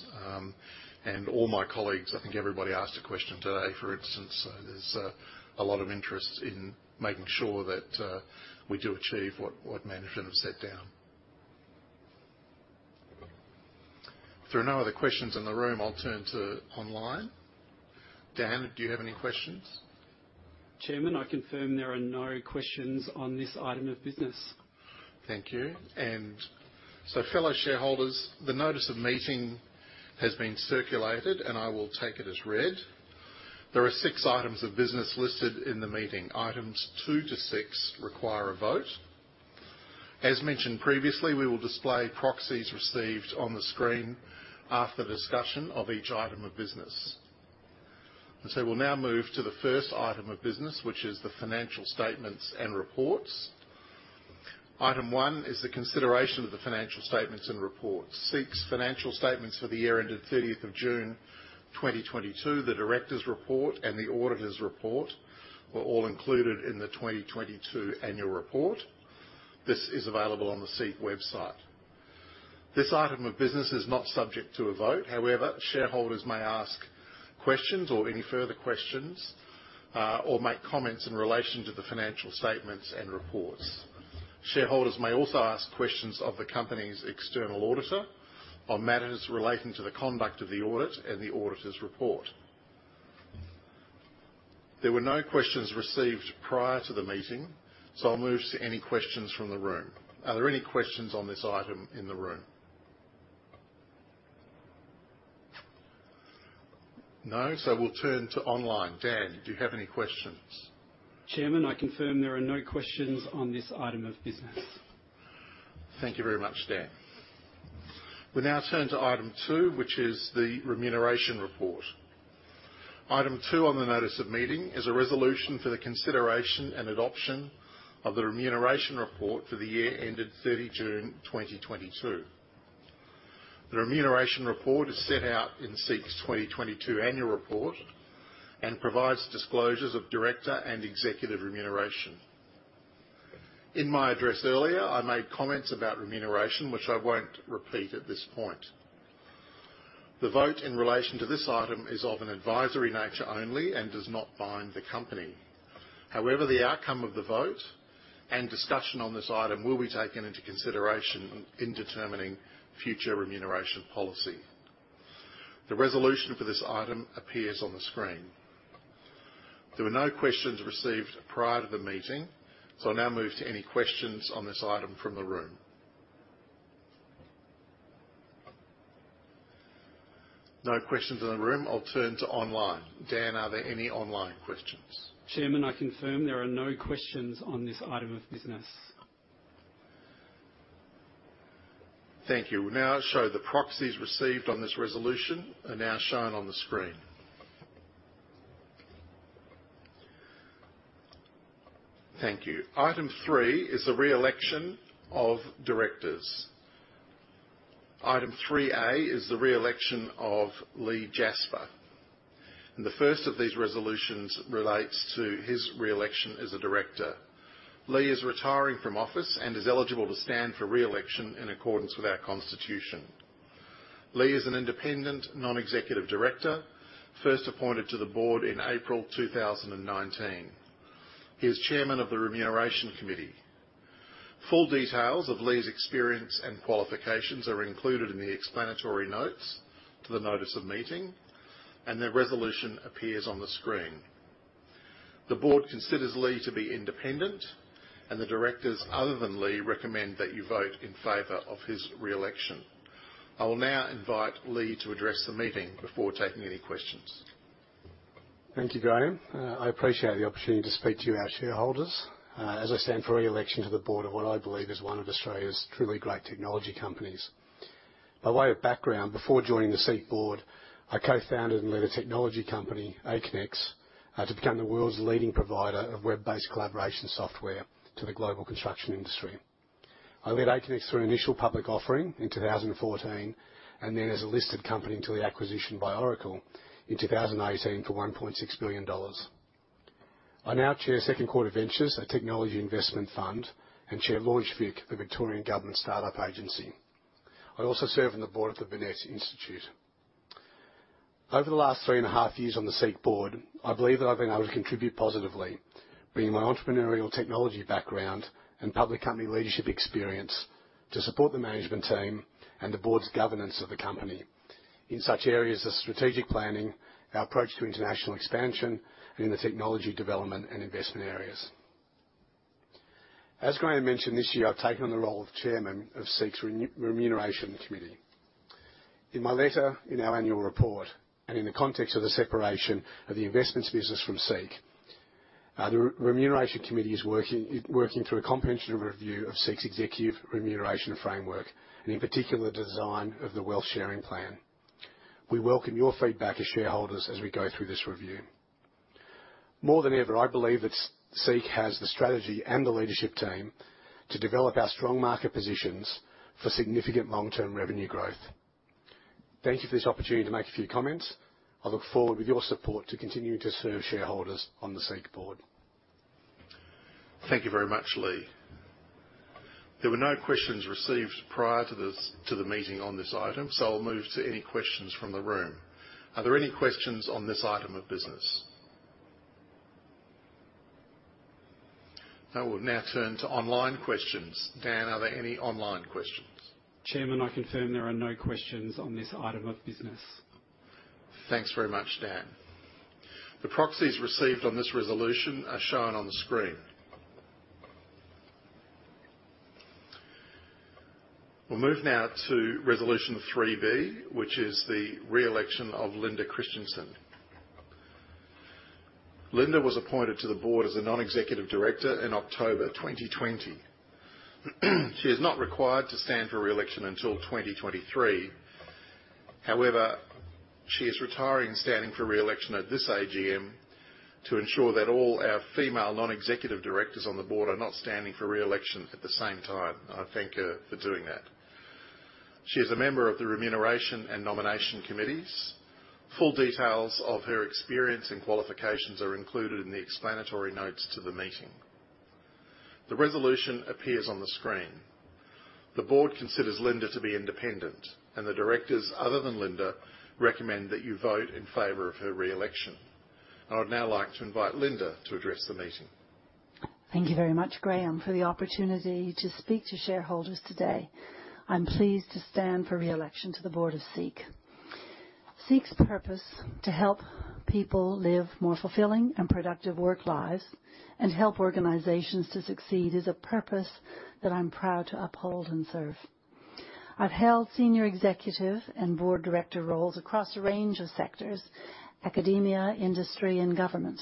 All my colleagues, I think everybody asked a question today, for instance. There's a lot of interest in making sure that we do achieve what management have set down. If there are no other questions in the room, I'll turn to online. Dan, do you have any questions? Chairman, I confirm there are no questions on this item of business. Thank you. Fellow shareholders, the notice of meeting has been circulated, and I will take it as read. There are six items of business listed in the meeting. Items two to six require a vote. As mentioned previously, we will display proxies received on the screen after discussion of each item of business. We'll now move to the first item of business, which is the financial statements and reports. Item one is the consideration of the financial statements and reports. SEEK's financial statements for the year ended June 30 th2022, the director's report and the auditor's report were all included in the 2022 annual report. This is available on the SEEK website. This item of business is not subject to a vote. However, shareholders may ask questions or any further questions, or make comments in relation to the financial statements and reports. Shareholders may also ask questions of the company's external auditor on matters relating to the conduct of the audit and the auditor's report. There were no questions received prior to the meeting, so I'll move to any questions from the room. Are there any questions on this item in the room? No. We'll turn to online. Dan, do you have any questions? Chairman, I confirm there are no questions on this item of business. Thank you very much, Dan. We now turn to item two, which is the remuneration report. Item two on the notice of meeting is a resolution for the consideration and adoption of the remuneration report for the year ended 30 June 2022. The remuneration report is set out in SEEK's 2022 annual report and provides disclosures of director and executive remuneration. In my address earlier, I made comments about remuneration, which I won't repeat at this point. The vote in relation to this item is of an advisory nature only and does not bind the company. However, the outcome of the vote and discussion on this item will be taken into consideration in determining future remuneration policy. The resolution for this item appears on the screen. There were no questions received prior to the meeting, so I'll now move to any questions on this item from the room. No questions in the room. I'll turn to online. Dan, are there any online questions? Chairman, I confirm there are no questions on this item of business. Thank you. We'll now show the proxies received on this resolution are now shown on the screen. Thank you. Item three is the re-election of directors. Item three-A is the re-election of Leigh Jasper. The first of these resolutions relates to his re-election as a director. Leigh is retiring from office and is eligible to stand for re-election in accordance with our constitution. Leigh is an independent non-executive director, first appointed to the board in April 2019. He is Chairman of the Remuneration Committee. Full details of Leigh's experience and qualifications are included in the explanatory notes to the notice of meeting, and the resolution appears on the screen. The board considers Leigh to be independent, and the directors, other than Leigh, recommend that you vote in favor of his re-election. I will now invite Leigh to address the meeting before taking any questions. Thank you, Graham. I appreciate the opportunity to speak to you, our shareholders, as I stand for re-election to the board of what I believe is one of Australia's truly great technology companies. By way of background, before joining the SEEK board, I co-founded and led a technology company, Aconex, to become the world's leading provider of web-based collaboration software to the global construction industry. I led Aconex through initial public offering in 2014, and then as a listed company until the acquisition by Oracle in 2018 for $1.6 billion. I now chair Second Quarter Ventures, a technology investment fund, and chair LaunchVic, the Victorian Government startup agency. I also serve on the board of the Burnet Institute. Over the last three and a half years on the SEEK board, I believe that I've been able to contribute positively, bringing my entrepreneurial technology background and public company leadership experience to support the management team and the board's governance of the company in such areas as strategic planning, our approach to international expansion, and in the technology development and investment areas. As Graham mentioned, this year, I've taken on the role of Chairman of SEEK's remuneration committee. In my letter, in our annual report, and in the context of the separation of the investments business from SEEK, the remuneration committee is working through a comprehensive review of SEEK's executive remuneration framework, and in particular, the design of the Wealth Sharing Plan. We welcome your feedback as shareholders as we go through this review. More than ever, I believe that SEEK has the strategy and the leadership team to develop our strong market positions for significant long-term revenue growth. Thank you for this opportunity to make a few comments. I look forward with your support to continuing to serve shareholders on the SEEK board. Thank you very much, Leigh. There were no questions received prior to this, to the meeting on this item, so I'll move to any questions from the room. Are there any questions on this item of business? I will now turn to online questions. Dan, are there any online questions? Chairman, I confirm there are no questions on this item of business. Thanks very much, Dan. The proxies received on this resolution are shown on the screen. We'll move now to resolution 3B, which is the re-election of Linda Kristjanson. Linda was appointed to the board as a non-executive director in October 2020. She is not required to stand for re-election until 2023. However, she is retiring, standing for re-election at this AGM to ensure that all our female non-executive directors on the board are not standing for re-election at the same time. I thank her for doing that. She is a member of the Remuneration and Nomination Committees. Full details of her experience and qualifications are included in the explanatory notes to the meeting. The resolution appears on the screen. The board considers Linda to be independent, and the directors, other than Linda, recommend that you vote in favor of her re-election. I would now like to invite Linda to address the meeting. Thank you very much, Graham, for the opportunity to speak to shareholders today. I'm pleased to stand for re-election to the board of SEEK. SEEK's purpose to help people live more fulfilling and productive work lives and help organizations to succeed is a purpose that I'm proud to uphold and serve. I've held senior executive and board director roles across a range of sectors, academia, industry, and government.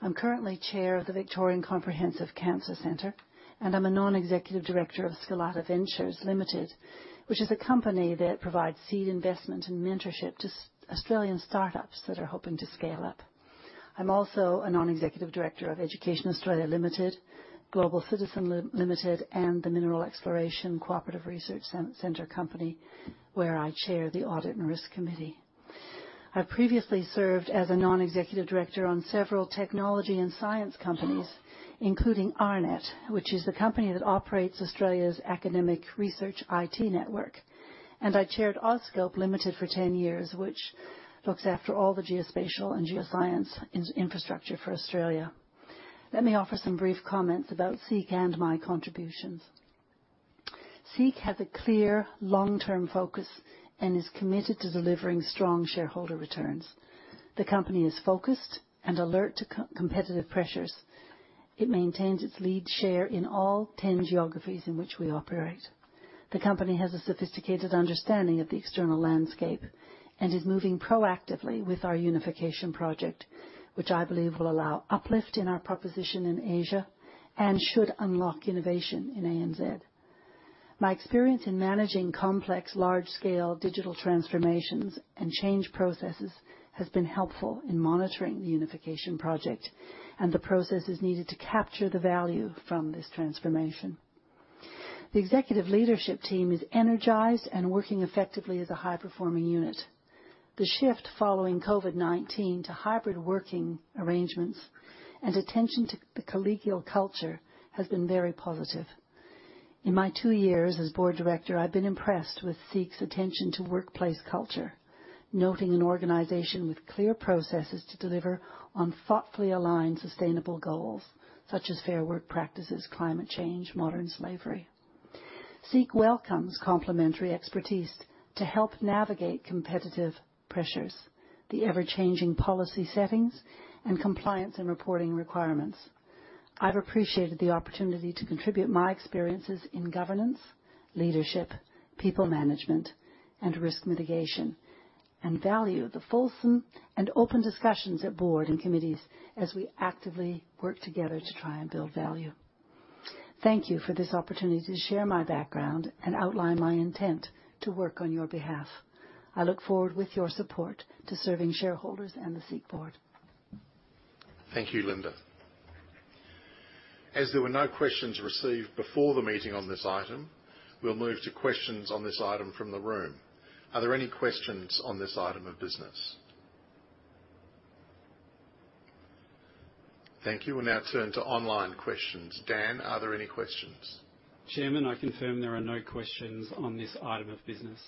I'm currently chair of the Victorian Comprehensive Cancer Centre, and I'm a non-executive director of Skalata Ventures Limited, which is a company that provides seed investment and mentorship to Australian startups that are hoping to scale up. I'm also a non-executive director of Education Australia Limited, Global Citizen Limited, and the Mineral Exploration Cooperative Research Centre Company, where I chair the Audit and Risk Committee. I previously served as a non-executive director on several technology and science companies, including AARNet, which is the company that operates Australia's academic research IT network. I chaired AuScope Limited for 10 years, which looks after all the geospatial and geoscience infrastructure for Australia. Let me offer some brief comments about SEEK and my contributions. SEEK has a clear long-term focus and is committed to delivering strong shareholder returns. The company is focused and alert to competitive pressures. It maintains its leading share in all 10 geographies in which we operate. The company has a sophisticated understanding of the external landscape and is moving proactively with our unification project, which I believe will allow uplift in our proposition in Asia and should unlock innovation in ANZ. My experience in managing complex, large-scale digital transformations and change processes has been helpful in monitoring the unification project and the processes needed to capture the value from this transformation. The executive leadership team is energized and working effectively as a high-performing unit. The shift following COVID-19 to hybrid working arrangements and attention to the collegial culture has been very positive. In my two years as board director, I've been impressed with SEEK's attention to workplace culture, noting an organization with clear processes to deliver on thoughtfully aligned sustainable goals such as fair work practices, climate change, modern slavery. SEEK welcomes complementary expertise to help navigate competitive pressures, the ever-changing policy settings, and compliance and reporting requirements. I've appreciated the opportunity to contribute my experiences in governance, leadership, people management, and risk mitigation, and value the fulsome and open discussions at board and committees as we actively work together to try and build value. Thank you for this opportunity to share my background and outline my intent to work on your behalf. I look forward with your support to serving shareholders and the SEEK Board. Thank you, Linda. As there were no questions received before the meeting on this item, we'll move to questions on this item from the room. Are there any questions on this item of business? Thank you. We'll now turn to online questions. Dan, are there any questions? Chairman, I confirm there are no questions on this item of business.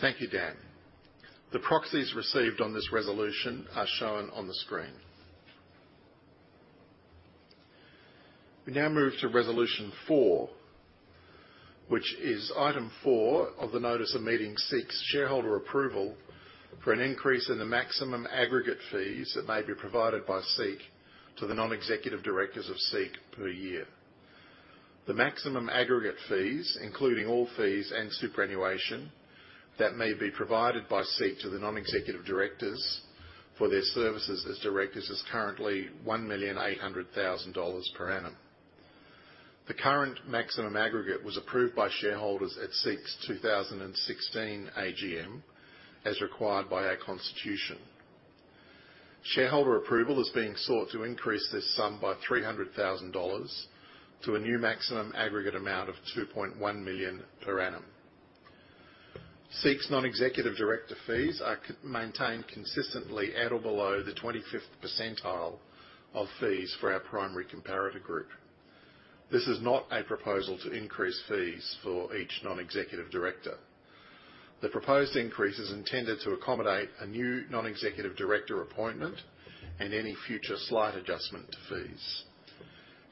Thank you, Dan. The proxies received on this resolution are shown on the screen. We now move to resolution four, which is item four of the notice of meeting, seeks shareholder approval for an increase in the maximum aggregate fees that may be provided by SEEK to the non-executive directors of SEEK per year. The maximum aggregate fees, including all fees and superannuation that may be provided by SEEK to the non-executive directors for their services as directors is currently 1.8 million per annum. The current maximum aggregate was approved by shareholders at SEEK's 2016 AGM, as required by our constitution. Shareholder approval is being sought to increase this sum by 300 thousand dollars to a new maximum aggregate amount of 2.1 million per annum. SEEK's non-executive director fees are maintained consistently at or below the 25th percentile of fees for our primary comparator group. This is not a proposal to increase fees for each non-executive director. The proposed increase is intended to accommodate a new non-executive director appointment and any future slight adjustment to fees.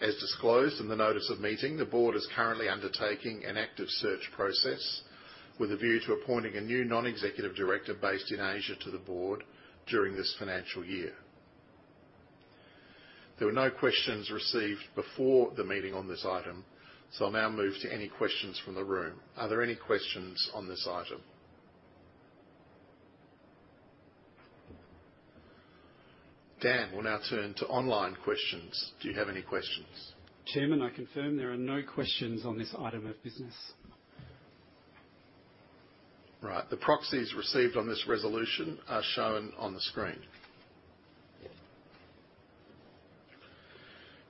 As disclosed in the notice of meeting, the board is currently undertaking an active search process with a view to appointing a new non-executive director based in Asia to the board during this financial year. There were no questions received before the meeting on this item, so I'll now move to any questions from the room. Are there any questions on this item? Dan, we'll now turn to online questions. Do you have any questions? Chairman, I confirm there are no questions on this item of business. Right. The proxies received on this resolution are shown on the screen.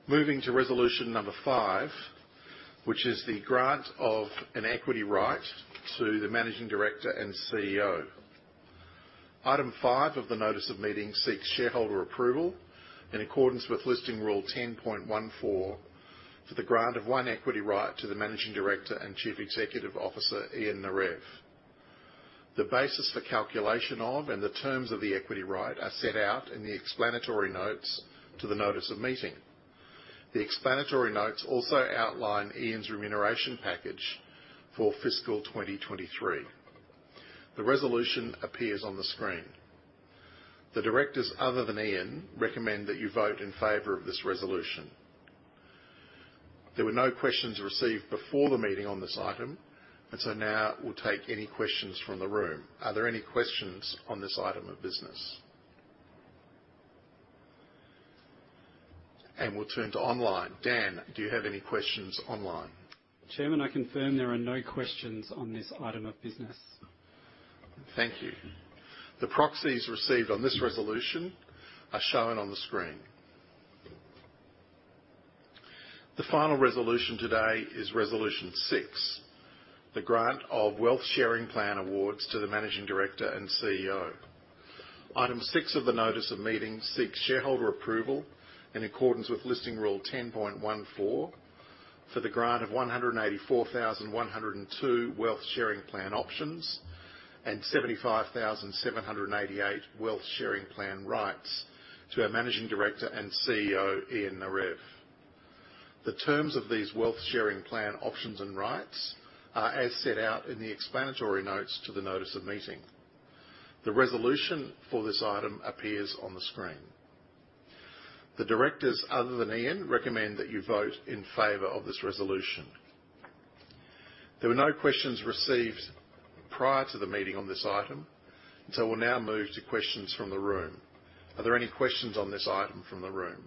Moving to resolution number five, which is the grant of an equity right to the Managing Director and CEO. Item five of the notice of meeting seeks shareholder approval in accordance with Listing Rule 10.14 for the grant of one equity right to the Managing Director and Chief Executive Officer, Ian Narev. The basis for calculation of and the terms of the equity right are set out in the explanatory notes to the notice of meeting. The explanatory notes also outline Ian's remuneration package for fiscal 2023. The resolution appears on the screen. The directors, other than Ian, recommend that you vote in favor of this resolution. There were no questions received before the meeting on this item, and so now we'll take any questions from the room. Are there any questions on this item of business? We'll turn to online. Dan, do you have any questions online? Chairman, I confirm there are no questions on this item of business. Thank you. The proxies received on this resolution are shown on the screen. The final resolution today is resolution six, the grant of Wealth Sharing Plan awards to the managing director and CEO. Item six of the notice of meeting seeks shareholder approval in accordance with Listing Rule 10.14 for the grant of 184,102 Wealth Sharing Plan options and 75,788 Wealth Sharing Plan rights to our managing director and CEO, Ian Narev. The terms of these Wealth Sharing Plan options and rights are as set out in the explanatory notes to the notice of meeting. The resolution for this item appears on the screen. The directors, other than Ian, recommend that you vote in favor of this resolution. There were no questions received prior to the meeting on this item, and so we'll now move to questions from the room. Are there any questions on this item from the room?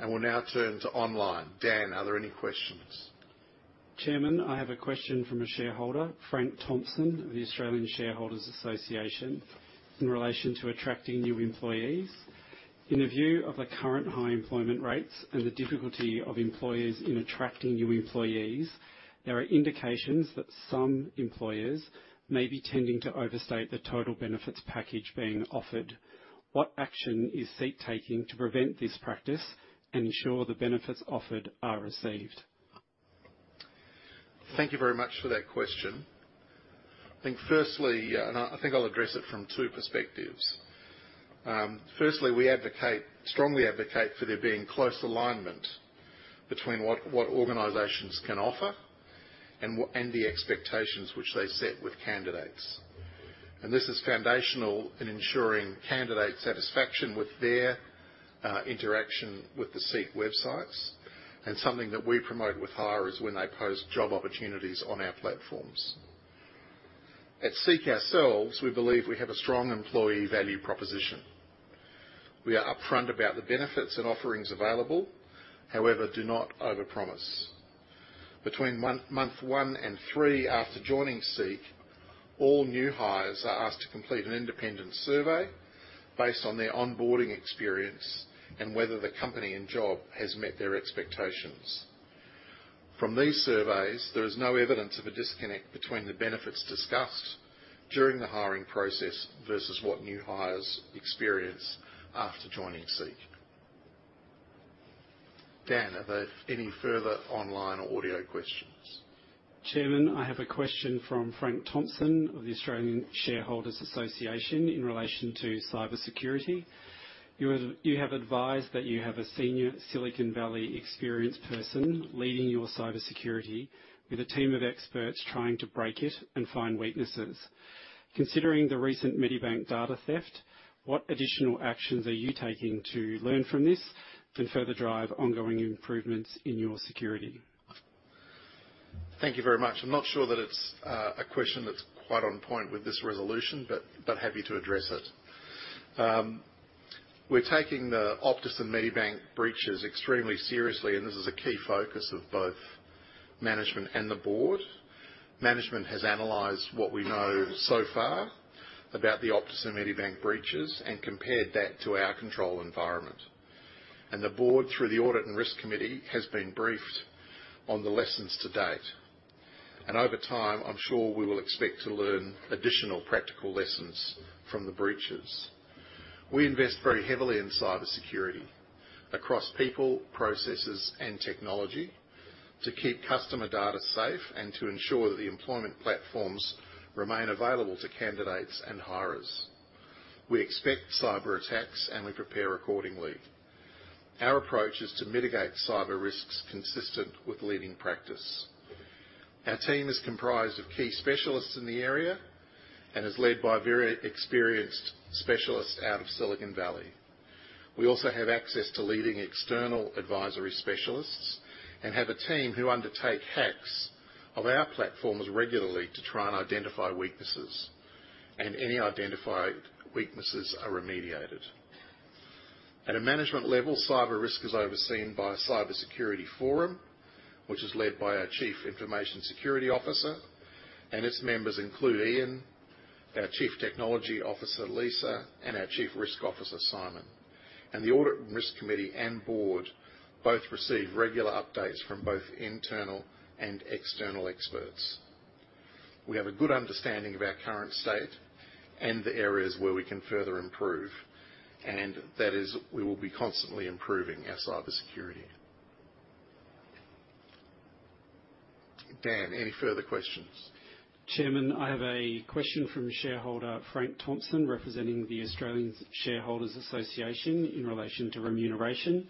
We'll now turn to online. Dan, are there any questions? Chairman, I have a question from a shareholder, Frank Thompson of the Australian Shareholders' Association, in relation to attracting new employees. In the view of the current high employment rates and the difficulty of employers in attracting new employees, there are indications that some employers may be tending to overstate the total benefits package being offered. What action is SEEK taking to prevent this practice and ensure the benefits offered are received? Thank you very much for that question. I think firstly. I think I'll address it from two perspectives. First, we strongly advocate for there being close alignment between what organizations can offer and the expectations which they set with candidates. This is foundational in ensuring candidate satisfaction with their interaction with the SEEK websites and something that we promote with hirers when they post job opportunities on our platforms. At SEEK ourselves, we believe we have a strong employee value proposition. We are upfront about the benefits and offerings available, however, do not overpromise. Between month one and three after joining SEEK, all new hires are asked to complete an independent survey based on their onboarding experience and whether the company and job has met their expectations. From these surveys, there is no evidence of a disconnect between the benefits discussed during the hiring process versus what new hires experience after joining SEEK. Dan, are there any further online or audio questions? Chairman, I have a question from Frank Thompson of the Australian Shareholders' Association in relation to cybersecurity. You have advised that you have a senior Silicon Valley experienced person leading your cybersecurity with a team of experts trying to break it and find weaknesses. Considering the recent Medibank data theft, what additional actions are you taking to learn from this to further drive ongoing improvements in your security? Thank you very much. I'm not sure that it's a question that's quite on point with this resolution, but happy to address it. We're taking the Optus and Medibank breaches extremely seriously, and this is a key focus of both management and the board. Management has analyzed what we know so far about the Optus and Medibank breaches and compared that to our control environment. The board, through the Audit and Risk Committee, has been briefed on the lessons to date. Over time, I'm sure we will expect to learn additional practical lessons from the breaches. We invest very heavily in cybersecurity across people, processes and technology to keep customer data safe and to ensure that the employment platforms remain available to candidates and hirers. We expect cyberattacks, and we prepare accordingly. Our approach is to mitigate cyber risks consistent with leading practice. Our team is comprised of key specialists in the area and is led by a very experienced specialist out of Silicon Valley. We also have access to leading external advisory specialists and have a team who undertake hacks of our platforms regularly to try and identify weaknesses, and any identified weaknesses are remediated. At a management level, cyber risk is overseen by a Cybersecurity Forum, which is led by our Chief Information Security Officer, and its members include Ian, our Chief Technology Officer, Lisa, and our Chief Risk Officer, Simon. The Audit and Risk Committee and Board both receive regular updates from both internal and external experts. We have a good understanding of our current state and the areas where we can further improve, and that is, we will be constantly improving our cybersecurity. Dan, any further questions? Chairman, I have a question from shareholder Frank Thompson, representing the Australian Shareholders' Association in relation to remuneration.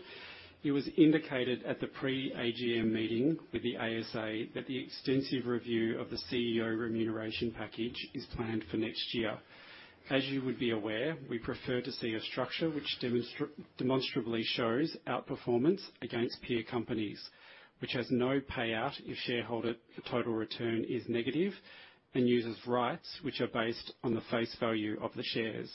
It was indicated at the pre-AGM meeting with the ASA that the extensive review of the CEO remuneration package is planned for next year. As you would be aware, we prefer to see a structure which demonstrably shows outperformance against peer companies, which has no payout if shareholder total return is negative and uses rights which are based on the face value of the shares.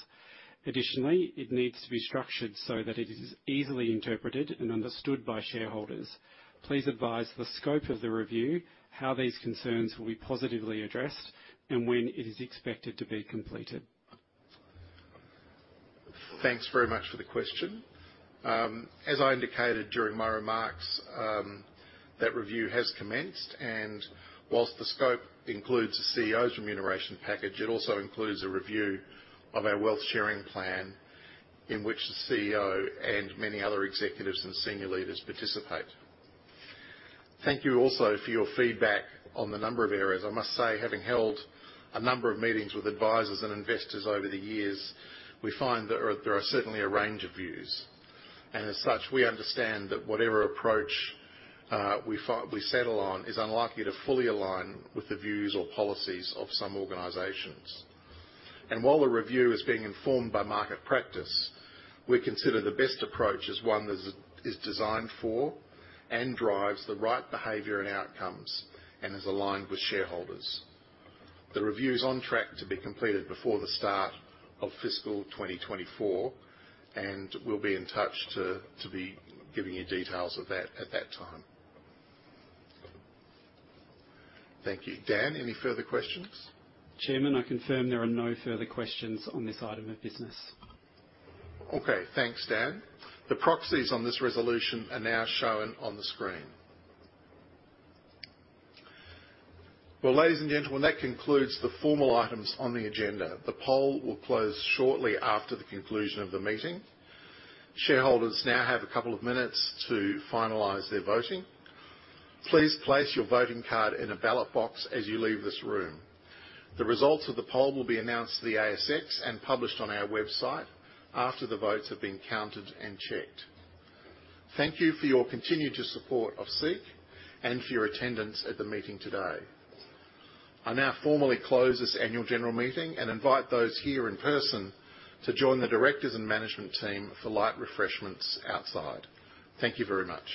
Additionally, it needs to be structured so that it is easily interpreted and understood by shareholders. Please advise the scope of the review, how these concerns will be positively addressed, and when it is expected to be completed. Thanks very much for the question. As I indicated during my remarks, that review has commenced. While the scope includes the CEO's remuneration package, it also includes a review of our Wealth Sharing Plan in which the CEO and many other executives and senior leaders participate. Thank you also for your feedback on the number of areas. I must say, having held a number of meetings with advisors and investors over the years, we find there are certainly a range of views. As such, we understand that whatever approach we settle on is unlikely to fully align with the views or policies of some organizations. While the review is being informed by market practice, we consider the best approach is one that is designed for and drives the right behavior and outcomes and is aligned with shareholders. The review is on track to be completed before the start of fiscal 2024, and we'll be in touch to be giving you details of that at that time. Thank you. Dan, any further questions? Chairman, I confirm there are no further questions on this item of business. Okay. Thanks, Dan. The proxies on this resolution are now shown on the screen. Well, ladies and gentlemen, that concludes the formal items on the agenda. The poll will close shortly after the conclusion of the meeting. Shareholders now have a couple of minutes to finalize their voting. Please place your voting card in a ballot box as you leave this room. The results of the poll will be announced to the ASX and published on our website after the votes have been counted and checked. Thank you for your continued support of SEEK and for your attendance at the meeting today. I now formally close this annual general meeting and invite those here in person to join the directors and management team for light refreshments outside. Thank you very much.